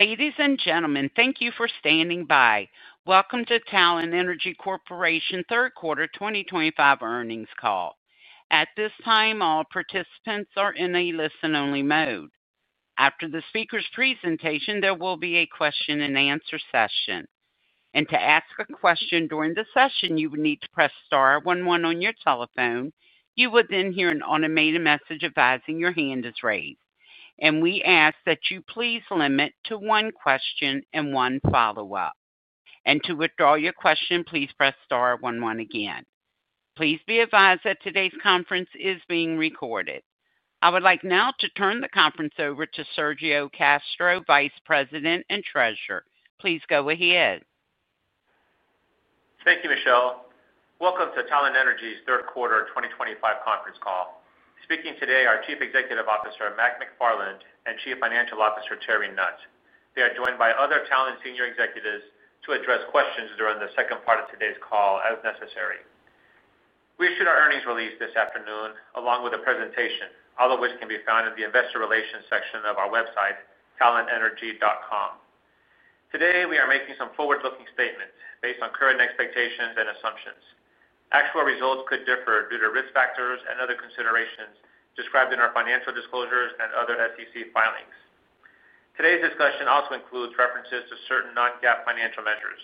Ladies and gentlemen, thank you for standing by. Welcome to Talen Energy Corporation's third quarter 2025 earnings call. At this time, all participants are in a listen-only mode. After the speaker's presentation, there will be a question-and-answer session. To ask a question during the session, you would need to press star one one on your telephone. You would then hear an automated message advising your hand is raised. We ask that you please limit to one question and one follow-up. To withdraw your question, please press star one one again. Please be advised that today's conference is being recorded. I would like now to turn the conference over to Sergio Castro, Vice President and Treasurer. Please go ahead. Thank you, Michelle. Welcome to Talen Energy's third quarter 2025 conference call. Speaking today are Chief Executive Officer Mac McFarland and Chief Financial Officer Terry Nutt. They are joined by other Talen senior executives to address questions during the second part of today's call as necessary. We issued our earnings release this afternoon along with a presentation, all of which can be found in the investor relations section of our website, talenenergy.com. Today, we are making some forward-looking statements based on current expectations and assumptions. Actual results could differ due to risk factors and other considerations described in our financial disclosures and other SEC filings. Today's discussion also includes references to certain non-GAAP financial measures.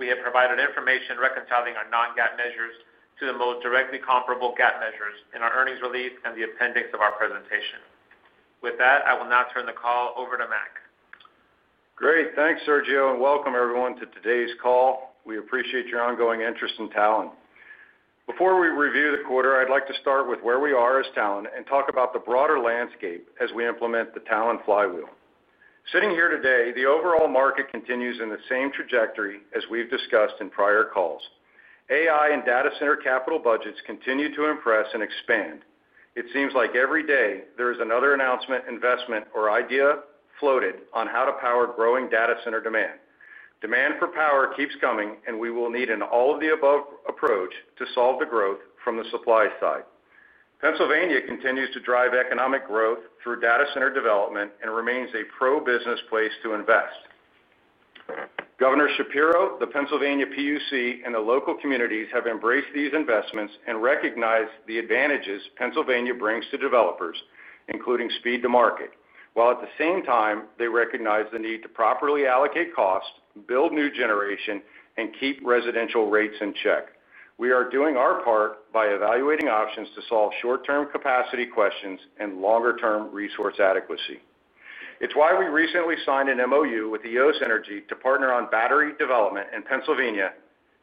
We have provided information reconciling our non-GAAP measures to the most directly comparable GAAP measures in our earnings release and the appendix of our presentation. With that, I will now turn the call over to Mac. Great. Thanks, Sergio, and welcome everyone to today's call. We appreciate your ongoing interest in Talen. Before we review the quarter, I'd like to start with where we are as Talen and talk about the broader landscape as we implement the Talen Flywheel. Sitting here today, the overall market continues in the same trajectory as we've discussed in prior calls. AI and data center capital budgets continue to impress and expand. It seems like every day there is another announcement, investment, or idea floated on how to power growing data center demand. Demand for power keeps coming, and we will need an all-of-the-above approach to solve the growth from the supply side. Pennsylvania continues to drive economic growth through data center development and remains a pro-business place to invest. Governor Shapiro, the Pennsylvania PUC, and the local communities have embraced these investments and recognized the advantages Pennsylvania brings to developers, including speed to market, while at the same time, they recognize the need to properly allocate costs, build new generation, and keep residential rates in check. We are doing our part by evaluating options to solve short-term capacity questions and longer-term resource adequacy. It is why we recently signed an MOU with EOS Energy to partner on battery development in Pennsylvania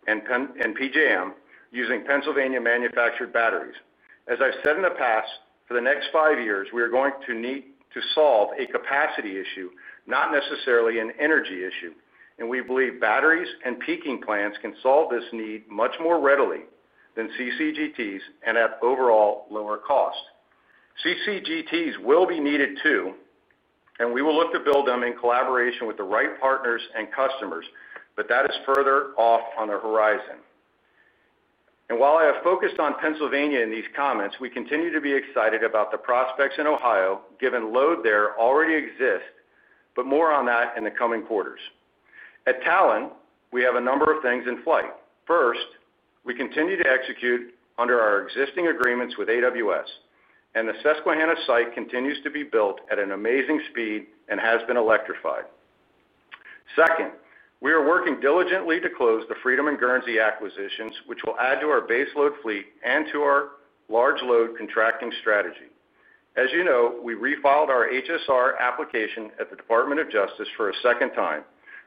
and PJM using Pennsylvania manufactured batteries. As I have said in the past, for the next five years, we are going to need to solve a capacity issue, not necessarily an energy issue. We believe batteries and peaking plants can solve this need much more readily than CCGTs and at overall lower cost. CCGTs will be needed too, and we will look to build them in collaboration with the right partners and customers, but that is further off on the horizon. While I have focused on Pennsylvania in these comments, we continue to be excited about the prospects in Ohio, given load there already exists, but more on that in the coming quarters. At Talen, we have a number of things in flight. First, we continue to execute under our existing agreements with AWS, and the Susquehanna site continues to be built at an amazing speed and has been electrified. Second, we are working diligently to close the Freedom and Guernsey acquisitions, which will add to our base load fleet and to our large load contracting strategy. As you know, we refiled our HSR application at the U.S. Department of Justice for a second time,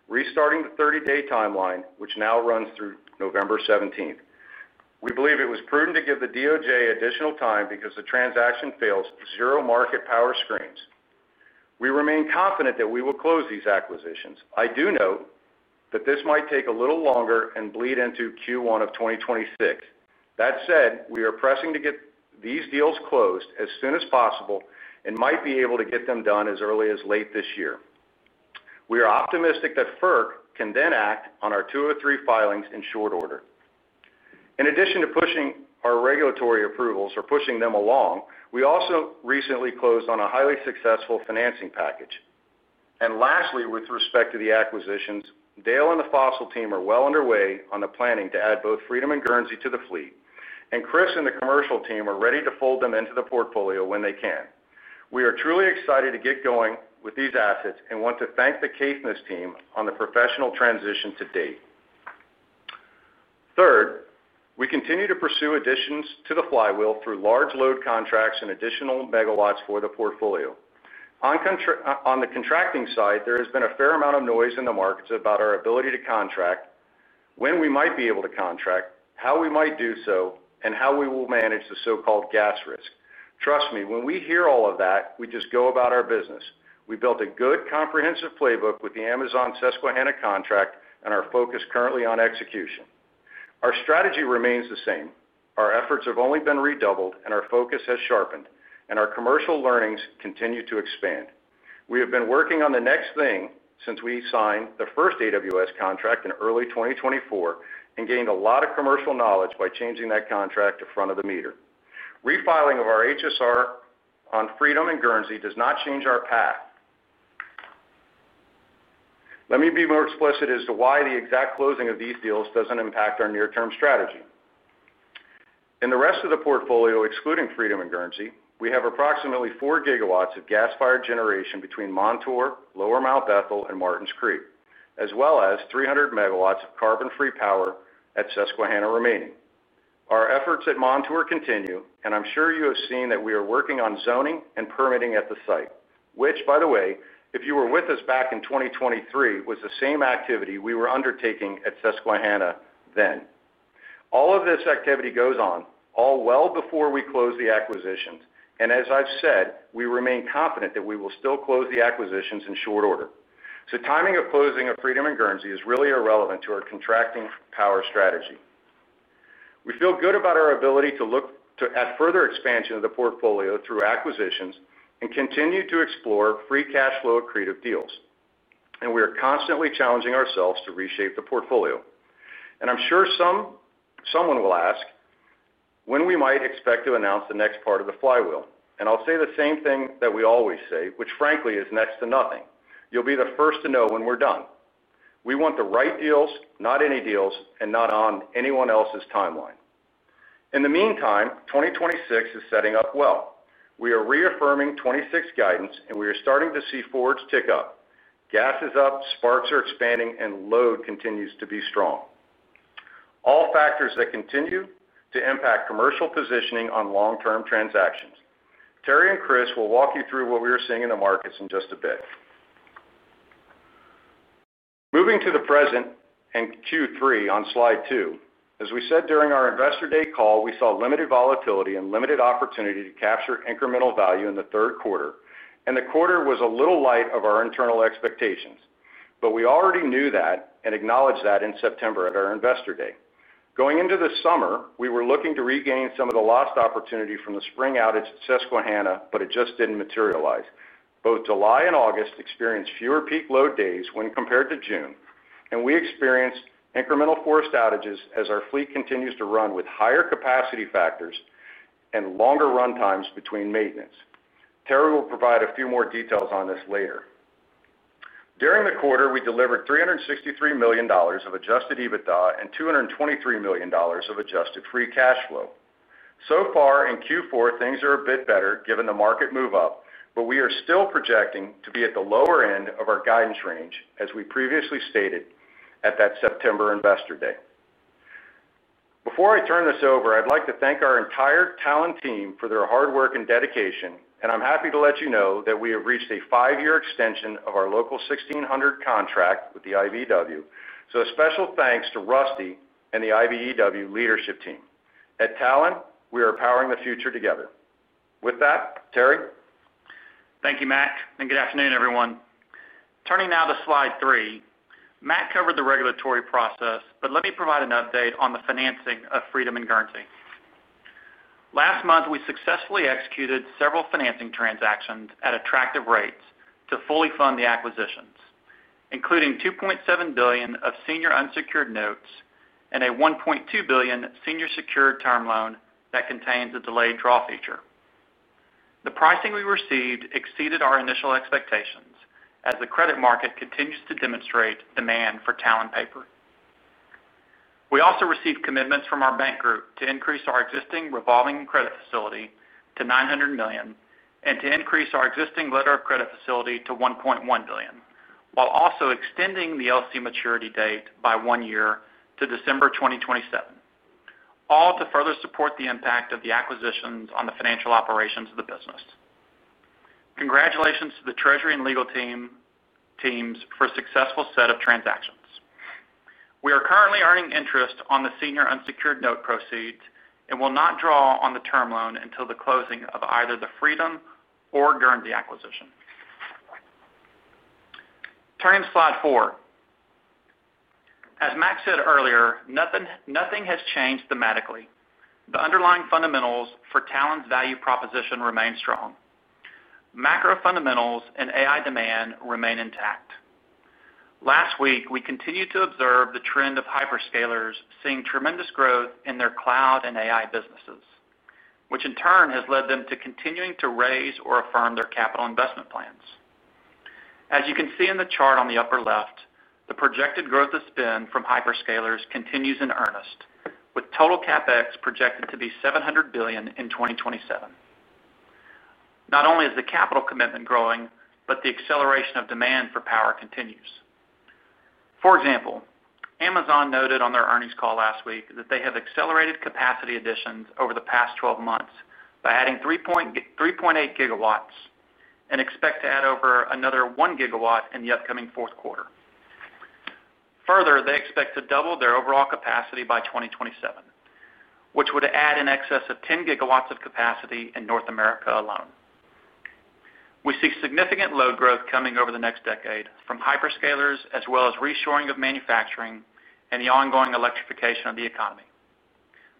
restarting the 30-day timeline, which now runs through November 17th. We believe it was prudent to give the DOJ additional time because the transaction fails zero-market power screens. We remain confident that we will close these acquisitions. I do note that this might take a little longer and bleed into Q1 of 2026. That said, we are pressing to get these deals closed as soon as possible and might be able to get them done as early as late this year. We are optimistic that FERC can then act on our 203 filings in short order. In addition to pushing our regulatory approvals or pushing them along, we also recently closed on a highly successful financing package. Lastly, with respect to the acquisitions, Dale and the fossil team are well underway on the planning to add both Freedom and Guernsey to the fleet. Chris and the commercial team are ready to fold them into the portfolio when they can. We are truly excited to get going with these assets and want to thank the Caithness team on the professional transition to date. Third, we continue to pursue additions to the flywheel through large load contracts and additional megawatts for the portfolio. On the contracting side, there has been a fair amount of noise in the markets about our ability to contract, when we might be able to contract, how we might do so, and how we will manage the so-called gas risk. Trust me, when we hear all of that, we just go about our business. We built a good comprehensive playbook with the Amazon-Susquehanna contract and are focused currently on execution. Our strategy remains the same. Our efforts have only been redoubled, and our focus has sharpened, and our commercial learnings continue to expand. We have been working on the next thing since we signed the first AWS contract in early 2024 and gained a lot of commercial knowledge by changing that contract to front-of-the-meter. Refiling of our HSR on Freedom and Guernsey does not change our path. Let me be more explicit as to why the exact closing of these deals does not impact our near-term strategy. In the rest of the portfolio, excluding Freedom and Guernsey, we have approximately 4 GW of gas-fired generation between Montour, Lower Mount Bethel, and Martin's Creek, as well as 300 MW of carbon-free power at Susquehanna remaining. Our efforts at Montour continue, and I'm sure you have seen that we are working on zoning and permitting at the site, which, by the way, if you were with us back in 2023, was the same activity we were undertaking at Susquehanna then. All of this activity goes on, all well before we close the acquisitions. As I've said, we remain confident that we will still close the acquisitions in short order. Timing of closing of Freedom and Guernsey is really irrelevant to our contracting power strategy. We feel good about our ability to look at further expansion of the portfolio through acquisitions and continue to explore free cash flow accretive deals. We are constantly challenging ourselves to reshape the portfolio. I'm sure someone will ask when we might expect to announce the next part of the flywheel. I'll say the same thing that we always say, which frankly is next to nothing. You'll be the first to know when we're done. We want the right deals, not any deals, and not on anyone else's timeline. In the meantime, 2026 is setting up well. We are reaffirming 2026 guidance, and we are starting to see forwards tick up. Gas is up, sparks are expanding, and load continues to be strong. All factors that continue to impact commercial positioning on long-term transactions. Terry and Chris will walk you through what we are seeing in the markets in just a bit. Moving to the present and Q3 on slide two, as we said during our investor day call, we saw limited volatility and limited opportunity to capture incremental value in the third quarter. The quarter was a little light of our internal expectations. We already knew that and acknowledged that in September at our investor day. Going into the summer, we were looking to regain some of the lost opportunity from the spring outage at Susquehanna, but it just did not materialize. Both July and August experienced fewer peak load days when compared to June. We experienced incremental forced outages as our fleet continues to run with higher capacity factors and longer run times between maintenance. Terry will provide a few more details on this later. During the quarter, we delivered $363 million of Adjusted EBITDA and $223 million of adjusted free cash flow. So far in Q4, things are a bit better given the market move-up, but we are still projecting to be at the lower end of our guidance range, as we previously stated at that September investor day. Before I turn this over, I'd like to thank our entire Talen team for their hard work and dedication. I'm happy to let you know that we have reached a five-year extension of our local 1600 contract with the IBEW. A special thanks to Rusty and the IBEW leadership team. At Talen, we are powering the future together. With that, Terry. Thank you, Mac. And good afternoon, everyone. Turning now to slide three, Mac covered the regulatory process, but let me provide an update on the financing of Freedom and Guernsey. Last month, we successfully executed several financing transactions at attractive rates to fully fund the acquisitions, including $2.7 billion of senior unsecured notes and a $1.2 billion senior secured term loan that contains a delayed draw feature. The pricing we received exceeded our initial expectations as the credit market continues to demonstrate demand for Talen paper. We also received commitments from our bank group to increase our existing revolving credit facility to $900 million and to increase our existing letter of credit facility to $1.1 billion, while also extending the LC maturity date by one year to December 2027. All to further support the impact of the acquisitions on the financial operations of the business. Congratulations to the Treasury and legal teams for a successful set of transactions. We are currently earning interest on the senior unsecured note proceeds and will not draw on the term loan until the closing of either the Freedom or Guernsey acquisition. Turning to slide four. As Mac said earlier, nothing has changed thematically. The underlying fundamentals for Talen's value proposition remain strong. Macro fundamentals and AI demand remain intact. Last week, we continued to observe the trend of hyperscalers seeing tremendous growth in their cloud and AI businesses, which in turn has led them to continuing to raise or affirm their capital investment plans. As you can see in the chart on the upper left, the projected growth of spend from hyperscalers continues in earnest, with total CapEx projected to be $700 billion in 2027. Not only is the capital commitment growing, but the acceleration of demand for power continues. For example, Amazon noted on their earnings call last week that they have accelerated capacity additions over the past 12 months by adding 3.8 GW and expect to add over another 1 GW in the upcoming fourth quarter. Further, they expect to double their overall capacity by 2027, which would add in excess of 10 GW of capacity in North America alone. We see significant load growth coming over the next decade from hyperscalers as well as reshoring of manufacturing and the ongoing electrification of the economy.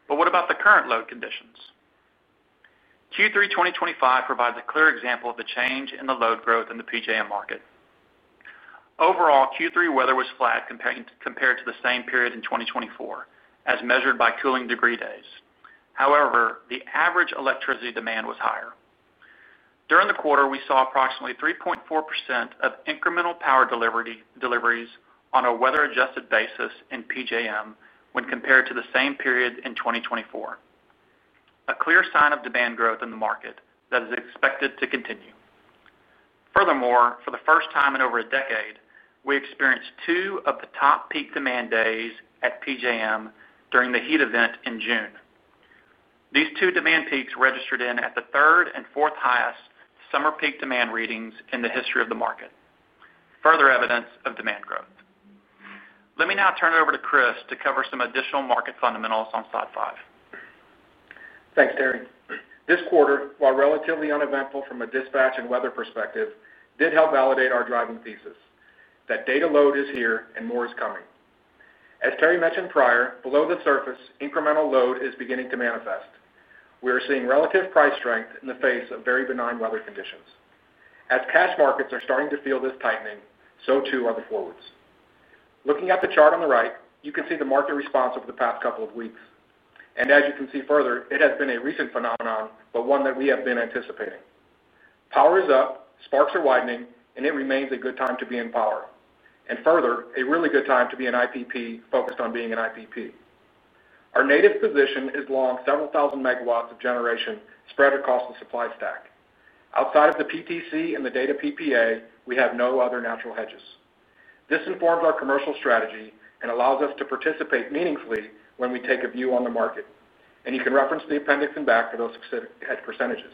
What about the current load conditions? Q3 2025 provides a clear example of the change in the load growth in the PJM market. Overall, Q3 weather was flat compared to the same period in 2024, as measured by cooling degree days. However, the average electricity demand was higher. During the quarter, we saw approximately 3.4% of incremental power deliveries on a weather-adjusted basis in PJM when compared to the same period in 2024. A clear sign of demand growth in the market that is expected to continue. Furthermore, for the first time in over a decade, we experienced two of the top peak demand days at PJM during the heat event in June. These two demand peaks registered in at the third and fourth highest summer peak demand readings in the history of the market. Further evidence of demand growth. Let me now turn it over to Chris to cover some additional market fundamentals on slide five. Thanks, Terry. This quarter, while relatively uneventful from a dispatch and weather perspective, did help validate our driving thesis that data load is here and more is coming. As Terry mentioned prior, below the surface, incremental load is beginning to manifest. We are seeing relative price strength in the face of very benign weather conditions. As cash markets are starting to feel this tightening, so too are the forwards. Looking at the chart on the right, you can see the market response over the past couple of weeks. You can see further, it has been a recent phenomenon, but one that we have been anticipating. Power is up, sparks are widening, and it remains a good time to be in power. Further, a really good time to be an IPP focused on being an IPP. Our native position is long several thousand megawatts of generation spread across the supply stack. Outside of the PTC and the data PPA, we have no other natural hedges. This informs our commercial strategy and allows us to participate meaningfully when we take a view on the market. You can reference the appendix and back for those percentages.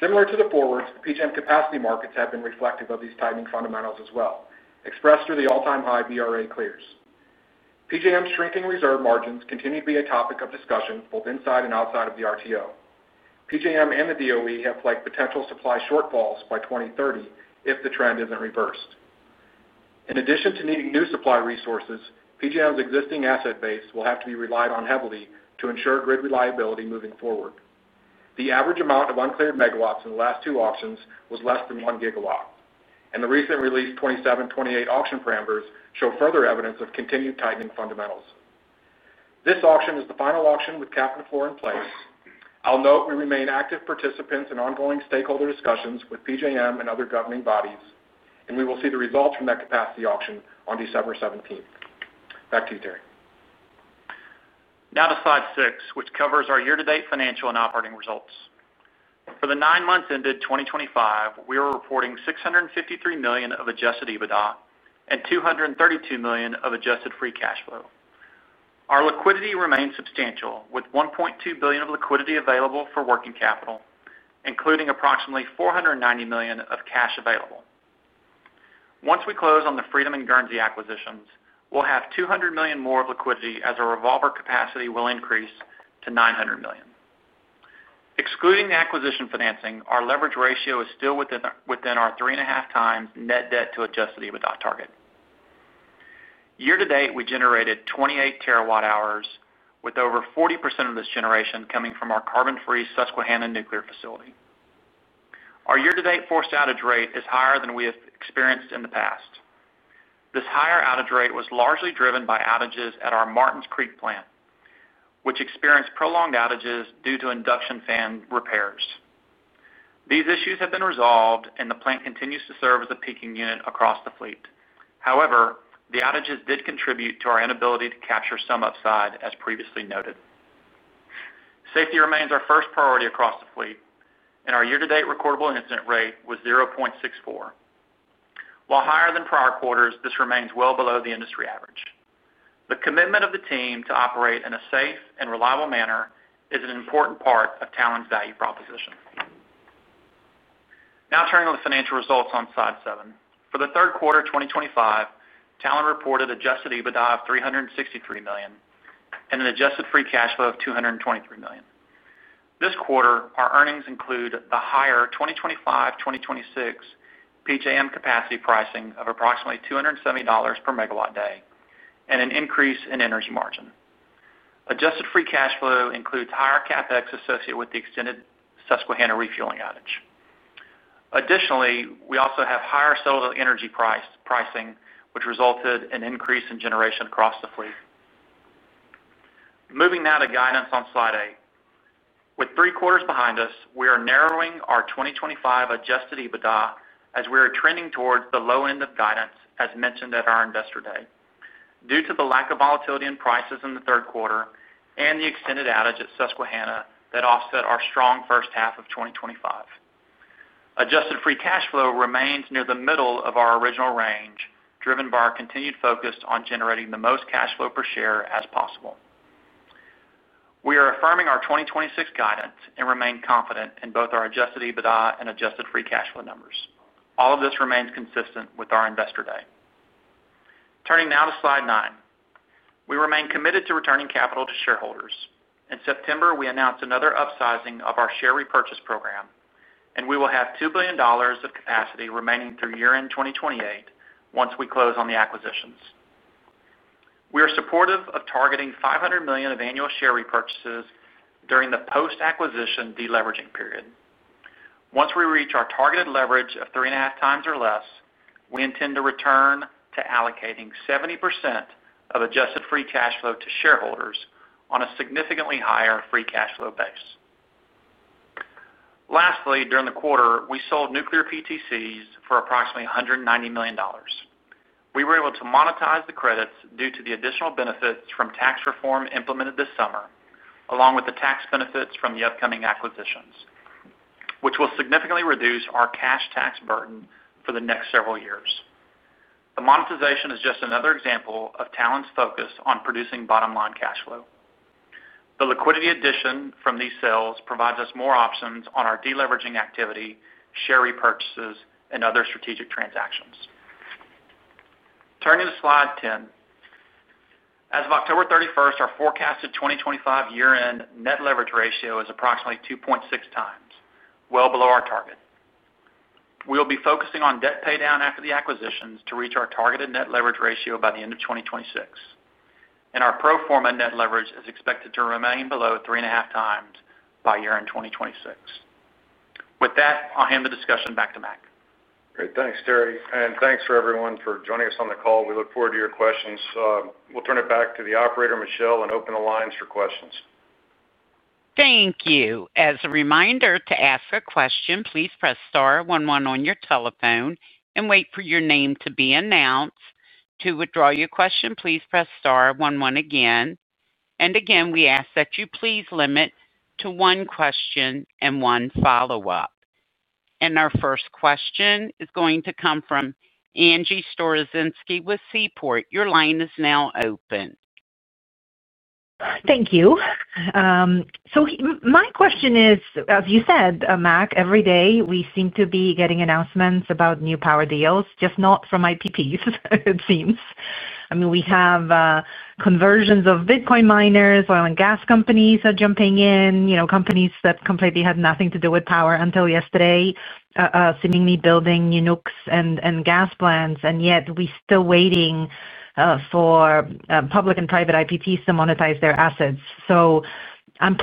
Similar to the forwards, the PJM capacity markets have been reflective of these tightening fundamentals as well, expressed through the all-time high VRA clears. PJM's shrinking reserve margins continue to be a topic of discussion both inside and outside of the RTO. PJM and the DOE have flagged potential supply shortfalls by 2030 if the trend is not reversed. In addition to needing new supply resources, PJM's existing asset base will have to be relied on heavily to ensure grid reliability moving forward. The average amount of uncleared megawatts in the last two auctions was less than 1 GW. The recent released 2728 auction parameters show further evidence of continued tightening fundamentals. This auction is the final auction with Capital Floor in place. I'll note we remain active participants in ongoing stakeholder discussions with PJM and other governing bodies, and we will see the results from that capacity auction on December 17th. Back to you, Terry. Now to slide six, which covers our year-to-date financial and operating results. For the nine months ended 2025, we were reporting $653 million of Adjusted EBITDA and $232 million of adjusted free cash flow. Our liquidity remains substantial, with $1.2 billion of liquidity available for working capital, including approximately $490 million of cash available. Once we close on the Freedom and Guernsey acquisitions, we'll have $200 million more of liquidity as our revolver capacity will increase to $900 million. Excluding the acquisition financing, our leverage ratio is still within our three and a half times net debt to Adjusted EBITDA target. Year to date, we generated 28 TWh, with over 40% of this generation coming from our carbon-free Susquehanna nuclear facility. Our year-to-date forced outage rate is higher than we have experienced in the past. This higher outage rate was largely driven by outages at our Martin's Creek plant, which experienced prolonged outages due to induction fan repairs. These issues have been resolved, and the plant continues to serve as a peaking unit across the fleet. However, the outages did contribute to our inability to capture some upside, as previously noted. Safety remains our first priority across the fleet, and our year-to-date recordable incident rate was 0.64%. While higher than prior quarters, this remains well below the industry average. The commitment of the team to operate in a safe and reliable manner is an important part of Talen's value proposition. Now turning to the financial results on slide seven. For the third quarter of 2025, Talen reported Adjusted EBITDA of $363 million and an adjusted free cash flow of $223 million. This quarter, our earnings include the higher 2025-2026 PJM capacity pricing of approximately $270 per MW day and an increase in energy margin. Adjusted free cash flow includes higher CapEx associated with the extended Susquehanna refueling outage. Additionally, we also have higher solar energy pricing, which resulted in an increase in generation across the fleet. Moving now to guidance on slide eight. With three quarters behind us, we are narrowing our 2025 Adjusted EBITDA as we are trending towards the low end of guidance, as mentioned at our investor day. Due to the lack of volatility in prices in the third quarter and the extended outage at Susquehanna that offset our strong first half of 2025. Adjusted free cash flow remains near the middle of our original range, driven by our continued focus on generating the most cash flow per share as possible. We are affirming our 2026 guidance and remain confident in both our Adjusted EBITDA and adjusted free cash flow numbers. All of this remains consistent with our investor day. Turning now to slide nine, we remain committed to returning capital to shareholders. In September, we announced another upsizing of our share repurchase program, and we will have $2 billion of capacity remaining through year-end 2028 once we close on the acquisitions. We are supportive of targeting $500 million of annual share repurchases during the post-acquisition deleveraging period. Once we reach our targeted leverage of three and a half times or less, we intend to return to allocating 70% of adjusted free cash flow to shareholders on a significantly higher free cash flow base. Lastly, during the quarter, we sold nuclear PTCs for approximately $190 million. We were able to monetize the credits due to the additional benefits from tax reform implemented this summer, along with the tax benefits from the upcoming acquisitions, which will significantly reduce our cash tax burden for the next several years. The monetization is just another example of Talen's focus on producing bottom-line cash flow. The liquidity addition from these sales provides us more options on our deleveraging activity, share repurchases, and other strategic transactions. Turning to slide 10. As of October 31st, our forecasted 2025 year-end net leverage ratio is approximately 2.6x, well below our target. We will be focusing on debt paydown after the acquisitions to reach our targeted net leverage ratio by the end of 2026. Our pro forma net leverage is expected to remain below 3.5x by year-end 2026. With that, I'll hand the discussion back to Mac. Great. Thanks, Terry. Thanks for everyone for joining us on the call. We look forward to your questions. We'll turn it back to the operator, Michelle, and open the lines for questions. Thank you. As a reminder to ask a question, please press star one one on your telephone and wait for your name to be announced. To withdraw your question, please press star one one again. We ask that you please limit to one question and one follow-up. Our first question is going to come from Angie Storozynski with Seaport. Your line is now open. Thank you. My question is, as you said, Mac, every day we seem to be getting announcements about new power deals, just not from IPPs, it seems. I mean, we have conversions of Bitcoin miners, oil and gas companies are jumping in, companies that completely had nothing to do with power until yesterday. Seemingly building nukes and gas plants, and yet we are still waiting for public and private IPPs to monetize their assets.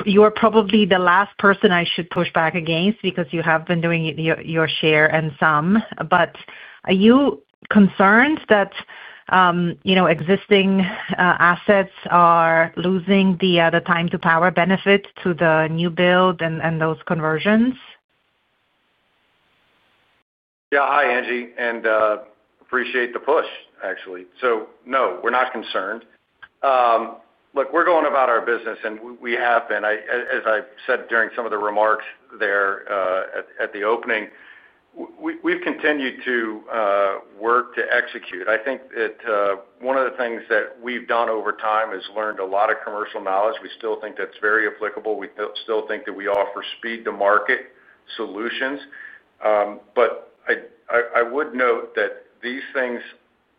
You are probably the last person I should push back against because you have been doing your share and some. Are you concerned that existing assets are losing the time-to-power benefit to the new build and those conversions? Yeah. Hi, Angie, and appreciate the push, actually. No, we're not concerned. Look, we're going about our business, and we have been, as I said during some of the remarks there at the opening. We've continued to work to execute. I think that one of the things that we've done over time is learned a lot of commercial knowledge. We still think that's very applicable. We still think that we offer speed-to-market solutions. I would note that these things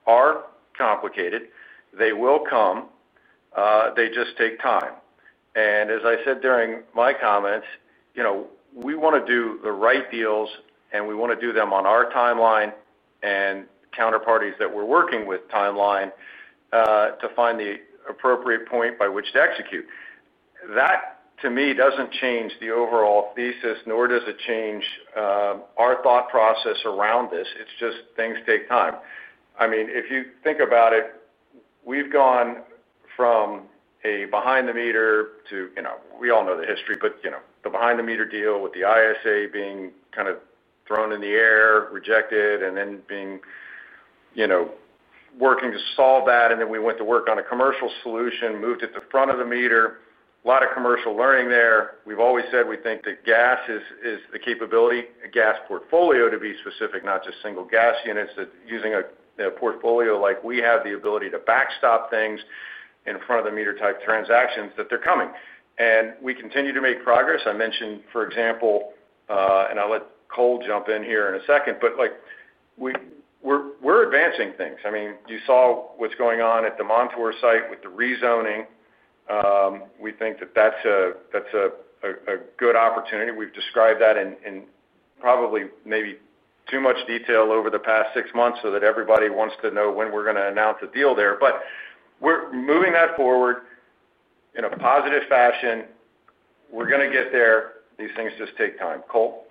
are complicated. They will come. They just take time. As I said during my comments, we want to do the right deals, and we want to do them on our timeline and counterparties that we're working with timeline to find the appropriate point by which to execute. That, to me, doesn't change the overall thesis, nor does it change our thought process around this. It's just things take time. I mean, if you think about it. We've gone from a behind-the-meter to we all know the history, but the behind-the-meter deal with the ISA being kind of thrown in the air, rejected, and then being. Working to solve that. And then we went to work on a commercial solution, moved it to the front of the meter. A lot of commercial learning there. We've always said we think that gas is the capability, a gas portfolio, to be specific, not just single gas units, that using a portfolio like we have the ability to backstop things in front-of-the-meter type transactions that they're coming. And we continue to make progress. I mentioned, for example. And I'll let Cole jump in here in a second, but. We're advancing things. I mean, you saw what's going on at the Montour site with the rezoning. We think that that's a good opportunity. We've described that in probably maybe too much detail over the past six months so that everybody wants to know when we're going to announce a deal there. We're moving that forward in a positive fashion. We're going to get there. These things just take time. Cole?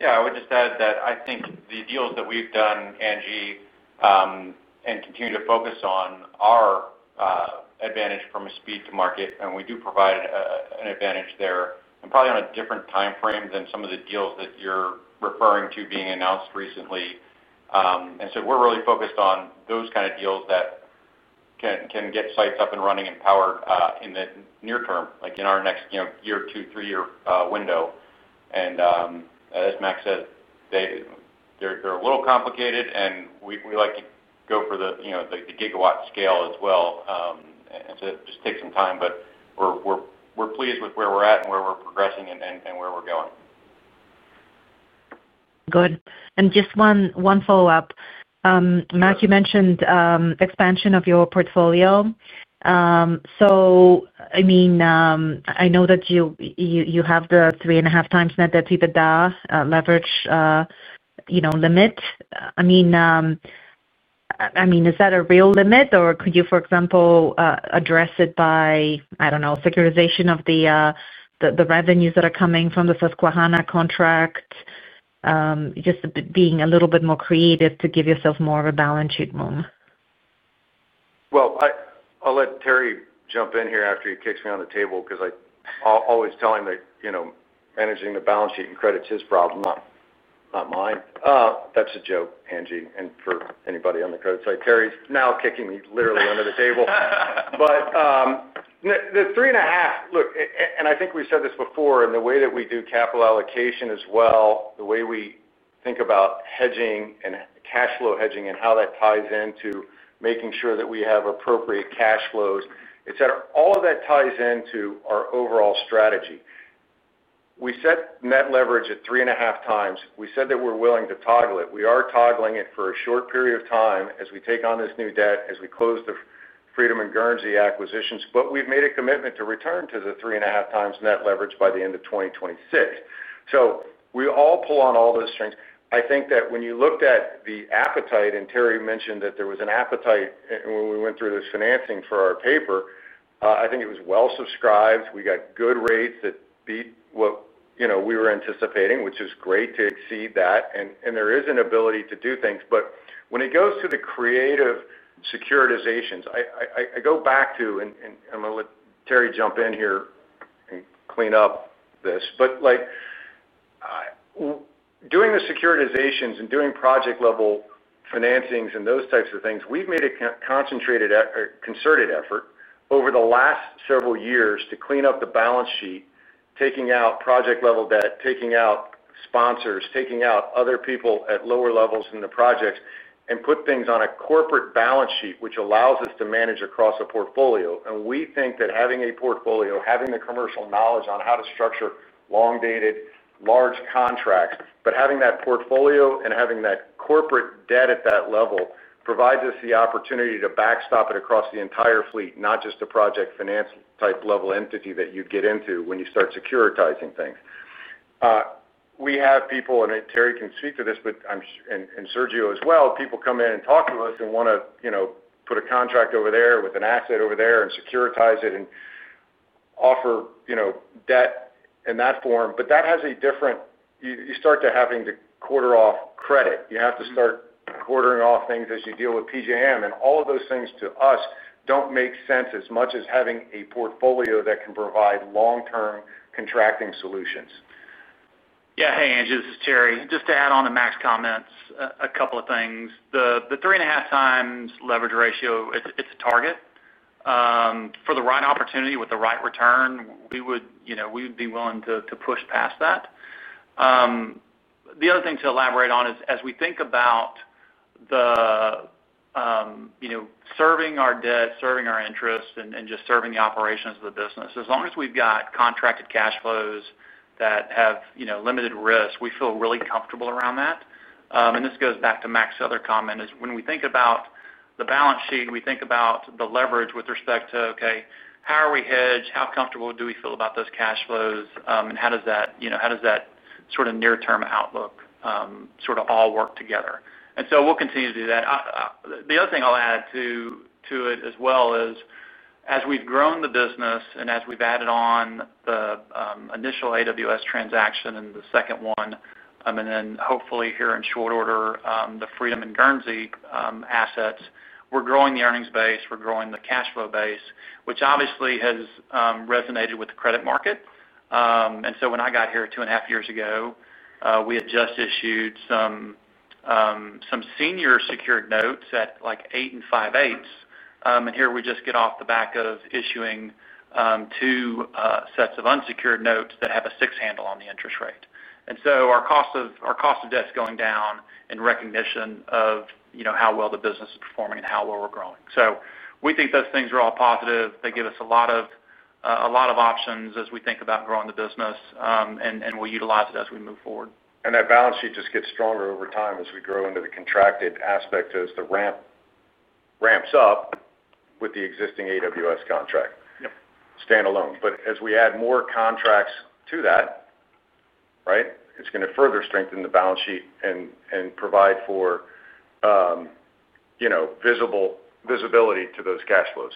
Yeah. I would just add that I think the deals that we've done, Angie, and continue to focus on are advantage from a speed-to-market, and we do provide an advantage there and probably on a different timeframe than some of the deals that you're referring to being announced recently. We're really focused on those kind of deals that can get sites up and running and powered in the near-term, like in our next year, two, three-year window. As Mac said, they're a little complicated, and we like to go for the gigawatt scale as well. It just takes some time, but we're pleased with where we're at and where we're progressing and where we're going. Good. Just one follow-up. Mac, you mentioned expansion of your portfolio. I mean, I know that you have the three and a half times net debt to EBITDA leverage limit. I mean, is that a real limit, or could you, for example, address it by, I do not know, securitization of the revenues that are coming from the Susquehanna contract? Just being a little bit more creative to give yourself more balance sheet room? I'll let Terry jump in here after he kicks me under the table because I always tell him that. Managing the balance sheet and credit is his problem, not mine. That's a joke, Angie, and for anybody on the credit side. Terry's now kicking me literally under the table. The three and a half, look, I think we've said this before, and the way that we do capital allocation as well, the way we think about hedging and cash flow hedging and how that ties into making sure that we have appropriate cash flows, etc., all of that ties into our overall strategy. We set net leverage at three and a half times. We said that we're willing to toggle it. We are toggling it for a short period of time as we take on this new debt, as we close the Freedom and Guernsey acquisitions, but we have made a commitment to return to the three and a half times net leverage by the end of 2026. We all pull on all those strings. I think that when you looked at the appetite, and Terry mentioned that there was an appetite when we went through this financing for our paper, I think it was well-subscribed. We got good rates that beat what we were anticipating, which is great to exceed that. There is an ability to do things. When it goes to the creative securitizations, I go back to, and I am going to let Terry jump in here and clean up this. But. Doing the securitizations and doing project-level financings and those types of things, we've made a concentrated, concerted effort over the last several years to clean up the balance sheet, taking out project-level debt, taking out sponsors, taking out other people at lower levels in the projects, and put things on a corporate balance sheet, which allows us to manage across a portfolio. We think that having a portfolio, having the commercial knowledge on how to structure long-dated, large contracts, but having that portfolio and having that corporate debt at that level provides us the opportunity to backstop it across the entire fleet, not just a project finance type level entity that you get into when you start securitizing things. We have people, and Terry can speak to this, and Sergio as well, people come in and talk to us and want to put a contract over there with an asset over there and securitize it and offer debt in that form. That has a different—you start to having to quarter off credit. You have to start quartering off things as you deal with PJM. All of those things to us do not make sense as much as having a portfolio that can provide long-term contracting solutions. Yeah. Hey, Angie, this is Terry. Just to add on to Mac's comments, a couple of things. The 3.5x leverage ratio, it's a target. For the right opportunity with the right return, we would be willing to push past that. The other thing to elaborate on is, as we think about serving our debt, serving our interests, and just serving the operations of the business, as long as we've got contracted cash flows that have limited risk, we feel really comfortable around that. This goes back to Mac's other comment. When we think about the balance sheet, we think about the leverage with respect to, okay, how are we hedged? How comfortable do we feel about those cash flows? How does that sort of near-term outlook sort of all work together? We will continue to do that. The other thing I'll add to it as well is, as we've grown the business and as we've added on the initial AWS transaction and the second one, and then hopefully here in short order, the Freedom and Guernsey assets, we're growing the earnings base. We're growing the cash flow base, which obviously has resonated with the credit market. When I got here two and a half years ago, we had just issued some senior secured notes at like eight and five eighths. Here we just get off the back of issuing two sets of unsecured notes that have a six handle on the interest rate. Our cost of debt's going down in recognition of how well the business is performing and how well we're growing. We think those things are all positive. They give us a lot of. Options as we think about growing the business. We'll utilize it as we move forward. That balance sheet just gets stronger over time as we grow into the contracted aspect as the ramp ramps up with the existing AWS contract standalone. As we add more contracts to that, it is going to further strengthen the balance sheet and provide for visibility to those cash flows.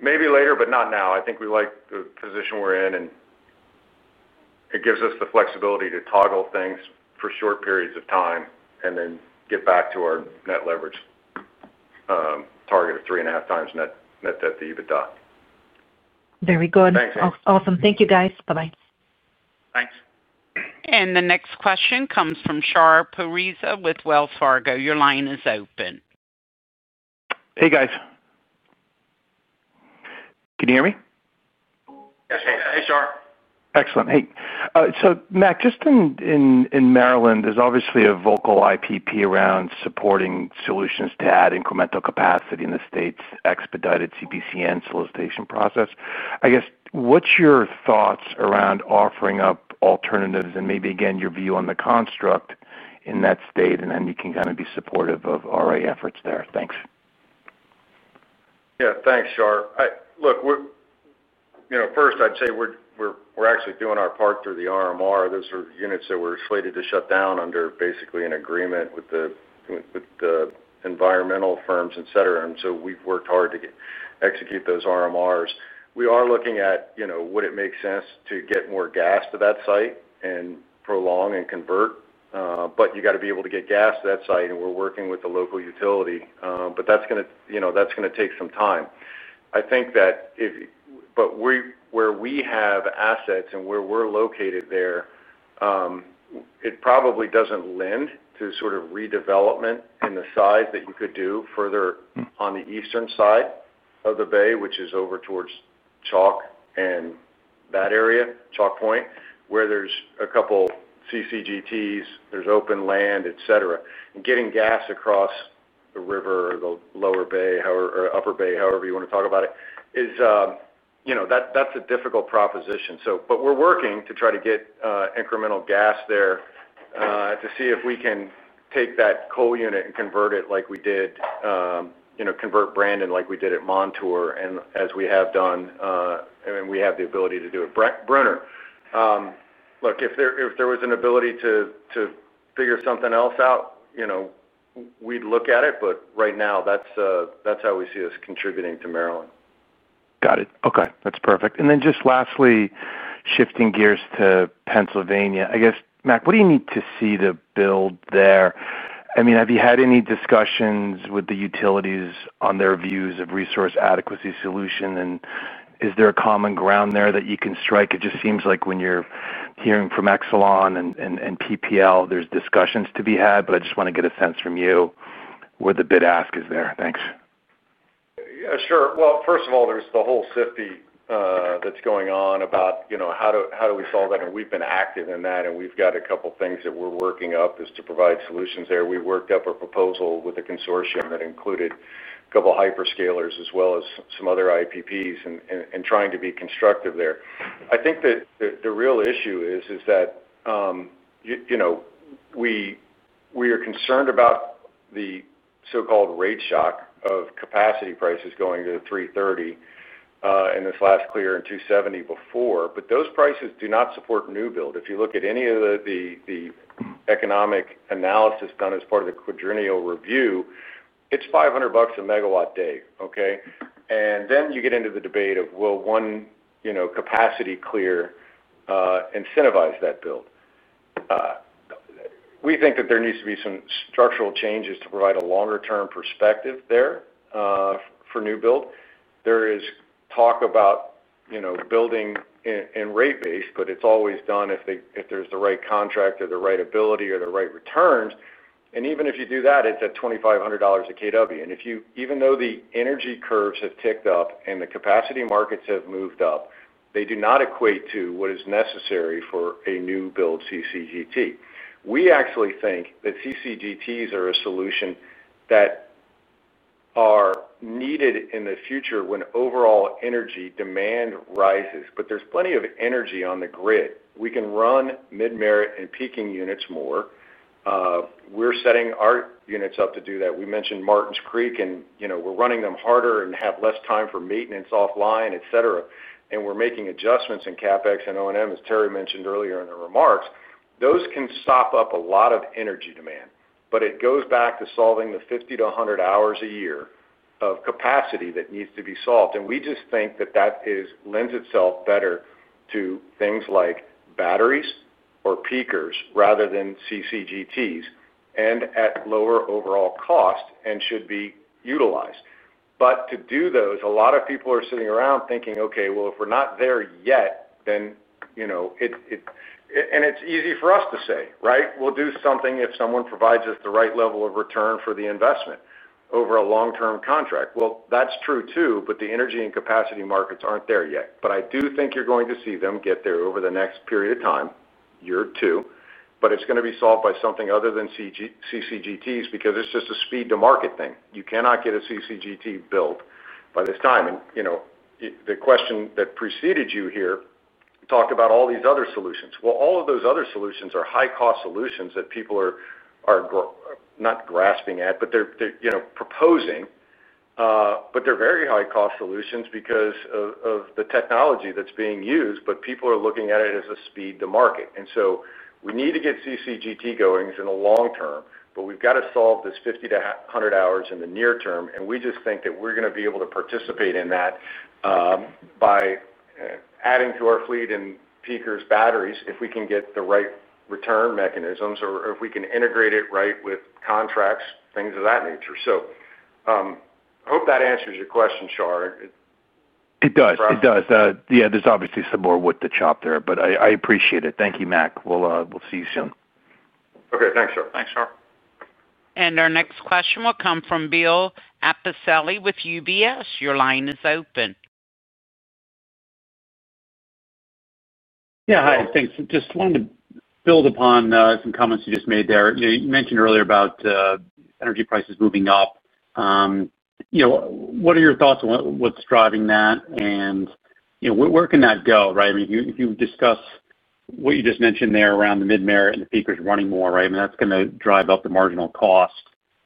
Maybe later, but not now. I think we like the position we're in, and it gives us the flexibility to toggle things for short periods of time and then get back to our net leverage target of 3.5x net debt to EBITDA. Very good. Thanks, Angie. Awesome. Thank you, guys. Bye-bye. Thanks. The next question comes from Shar Pourreza with Wells Fargo. Your line is open. Hey, guys. Can you hear me? Yes. Hey, Shar. Excellent. Hey. Mac, just in Maryland, there's obviously a vocal IPP around supporting solutions to add incremental capacity in the state's expedited CPCN solicitation process. I guess, what's your thoughts around offering up alternatives and maybe, again, your view on the construct in that state, and then you can kind of be supportive of RA efforts there? Thanks. Yeah. Thanks, Shar. Look. First, I'd say we're actually doing our part through the RMR. Those are units that were slated to shut down under basically an agreement with the environmental firms, etc. We have worked hard to execute those RMRs. We are looking at would it make sense to get more gas to that site and prolong and convert. You got to be able to get gas to that site, and we're working with the local utility. That's going to take some time. I think that if. Where we have assets and where we're located. There, it probably doesn't lend to sort of redevelopment in the size that you could do further on the eastern side of the bay, which is over towards Chalk and that area, Chalk Point, where there's a couple CCGTs, there's open land, etc. Getting gas across the river or the lower bay or upper bay, however you want to talk about it, is a difficult proposition. We are working to try to get incremental gas there to see if we can take that coal unit and convert it like we did, convert Brandon like we did at Montour, and as we have done, and we have the ability to do at Brunner. Look, if there was an ability to figure something else out, we'd look at it. Right now, that's how we see us contributing to Maryland. Got it. Okay. That's perfect. Then just lastly, shifting gears to Pennsylvania, I guess, Mac, what do you need to see to build there? I mean, have you had any discussions with the utilities on their views of resource adequacy solution? Is there a common ground there that you can strike? It just seems like when you're hearing from Exelon and PPL, there's discussions to be had. I just want to get a sense from you where the bid ask is there. Thanks. Yeah. Sure. First of all, there is the whole SIFPI that is going on about how do we solve that? We have been active in that, and we have a couple of things that we are working up to provide solutions there. We worked up a proposal with a consortium that included a couple of hyperscalers as well as some other IPPs and trying to be constructive there. I think that the real issue is that we are concerned about the so-called rate shock of capacity prices going to $330. In this last clear it was $270 before. Those prices do not support new build. If you look at any of the economic analysis done as part of the quadrennial review, it is $500 a megawatt day. Okay? Then you get into the debate of, will one capacity clear incentivize that build? We think that there needs to be some structural changes to provide a longer-term perspective there. For new build, there is talk about building in rate base, but it is always done if there is the right contract or the right ability or the right returns. Even if you do that, it is at $2,500 a kW. Even though the energy curves have ticked up and the capacity markets have moved up, they do not equate to what is necessary for a new build CCGT. We actually think that CCGTs are a solution that are needed in the future when overall energy demand rises. There is plenty of energy on the grid. We can run mid-merit and peaking units more. We are setting our units up to do that. We mentioned Martin's Creek, and we are running them harder and have less time for maintenance offline, etc. We're making adjustments in CapEx and O&M, as Terry mentioned earlier in the remarks. Those can stop up a lot of energy demand. It goes back to solving the 50-100 hours a year of capacity that needs to be solved. We just think that that lends itself better to things like batteries or peakers rather than CCGTs and at lower overall cost and should be utilized. To do those, a lot of people are sitting around thinking, "Okay, if we're not there yet, then. It. And it's easy for us to say, right? We'll do something if someone provides us the right level of return for the investment over a long-term contract." That is true too, but the energy and capacity markets aren't there yet. I do think you're going to see them get there over the next period of time, year two. It is going to be solved by something other than CCGTs because it's just a speed-to-market thing. You cannot get a CCGT built by this time. The question that preceded you here talked about all these other solutions. All of those other solutions are high-cost solutions that people are not grasping at, but they're proposing. They're very high-cost solutions because of the technology that's being used. People are looking at it as a speed-to-market. We need to get CCGT going in the long-term, but we've got to solve this 50-100 hours in the near-term. We just think that we're going to be able to participate in that. Adding to our fleet and peakers, batteries if we can get the right return mechanisms or if we can integrate it right with contracts, things of that nature. I hope that answers your question, Shar. It does. Yeah. There's obviously some more wood to chop there, but I appreciate it. Thank you, Mac. We'll see you soon. Okay. Thanks, Shar. Thanks, Shar. Our next question will come from Bill Appicelli with UBS. Your line is open. Yeah. Hi. Thanks. Just wanted to build upon some comments you just made there. You mentioned earlier about energy prices moving up. What are your thoughts on what's driving that? What are your thoughts on where that can go? Right? I mean, if you discuss what you just mentioned there around the mid-merit and the peakers running more, right, I mean, that's going to drive up the marginal cost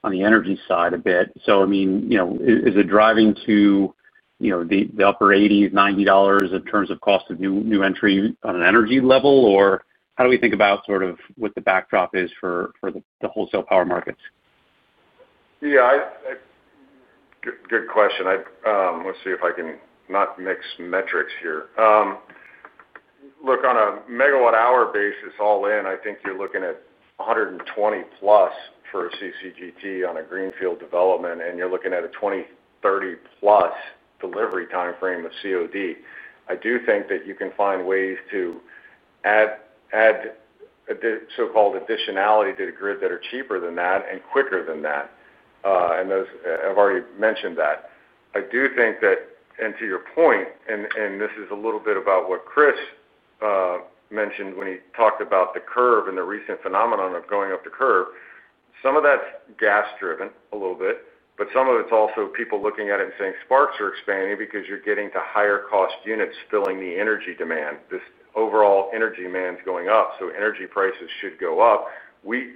on the energy side a bit. I mean, is it driving to the upper $80-$90 in terms of cost of new entry on an energy level? Or how do we think about sort of what the backdrop is for the wholesale power markets? Yeah. Good question. Let's see if I can not mix metrics here. Look, on a megawatt-hour basis all in, I think you're looking at $120+ for a CCGT on a greenfield development, and you're looking at a 20-30-plus delivery timeframe of COD. I do think that you can find ways to add so-called additionality to the grid that are cheaper than that and quicker than that. I've already mentioned that. I do think that, and to your point, this is a little bit about what Chris mentioned when he talked about the curve and the recent phenomenon of going up the curve. Some of that's gas-driven a little bit, but some of it's also people looking at it and saying sparks are expanding because you're getting to higher-cost units filling the energy demand. This overall energy demand is going up, so energy prices should go up.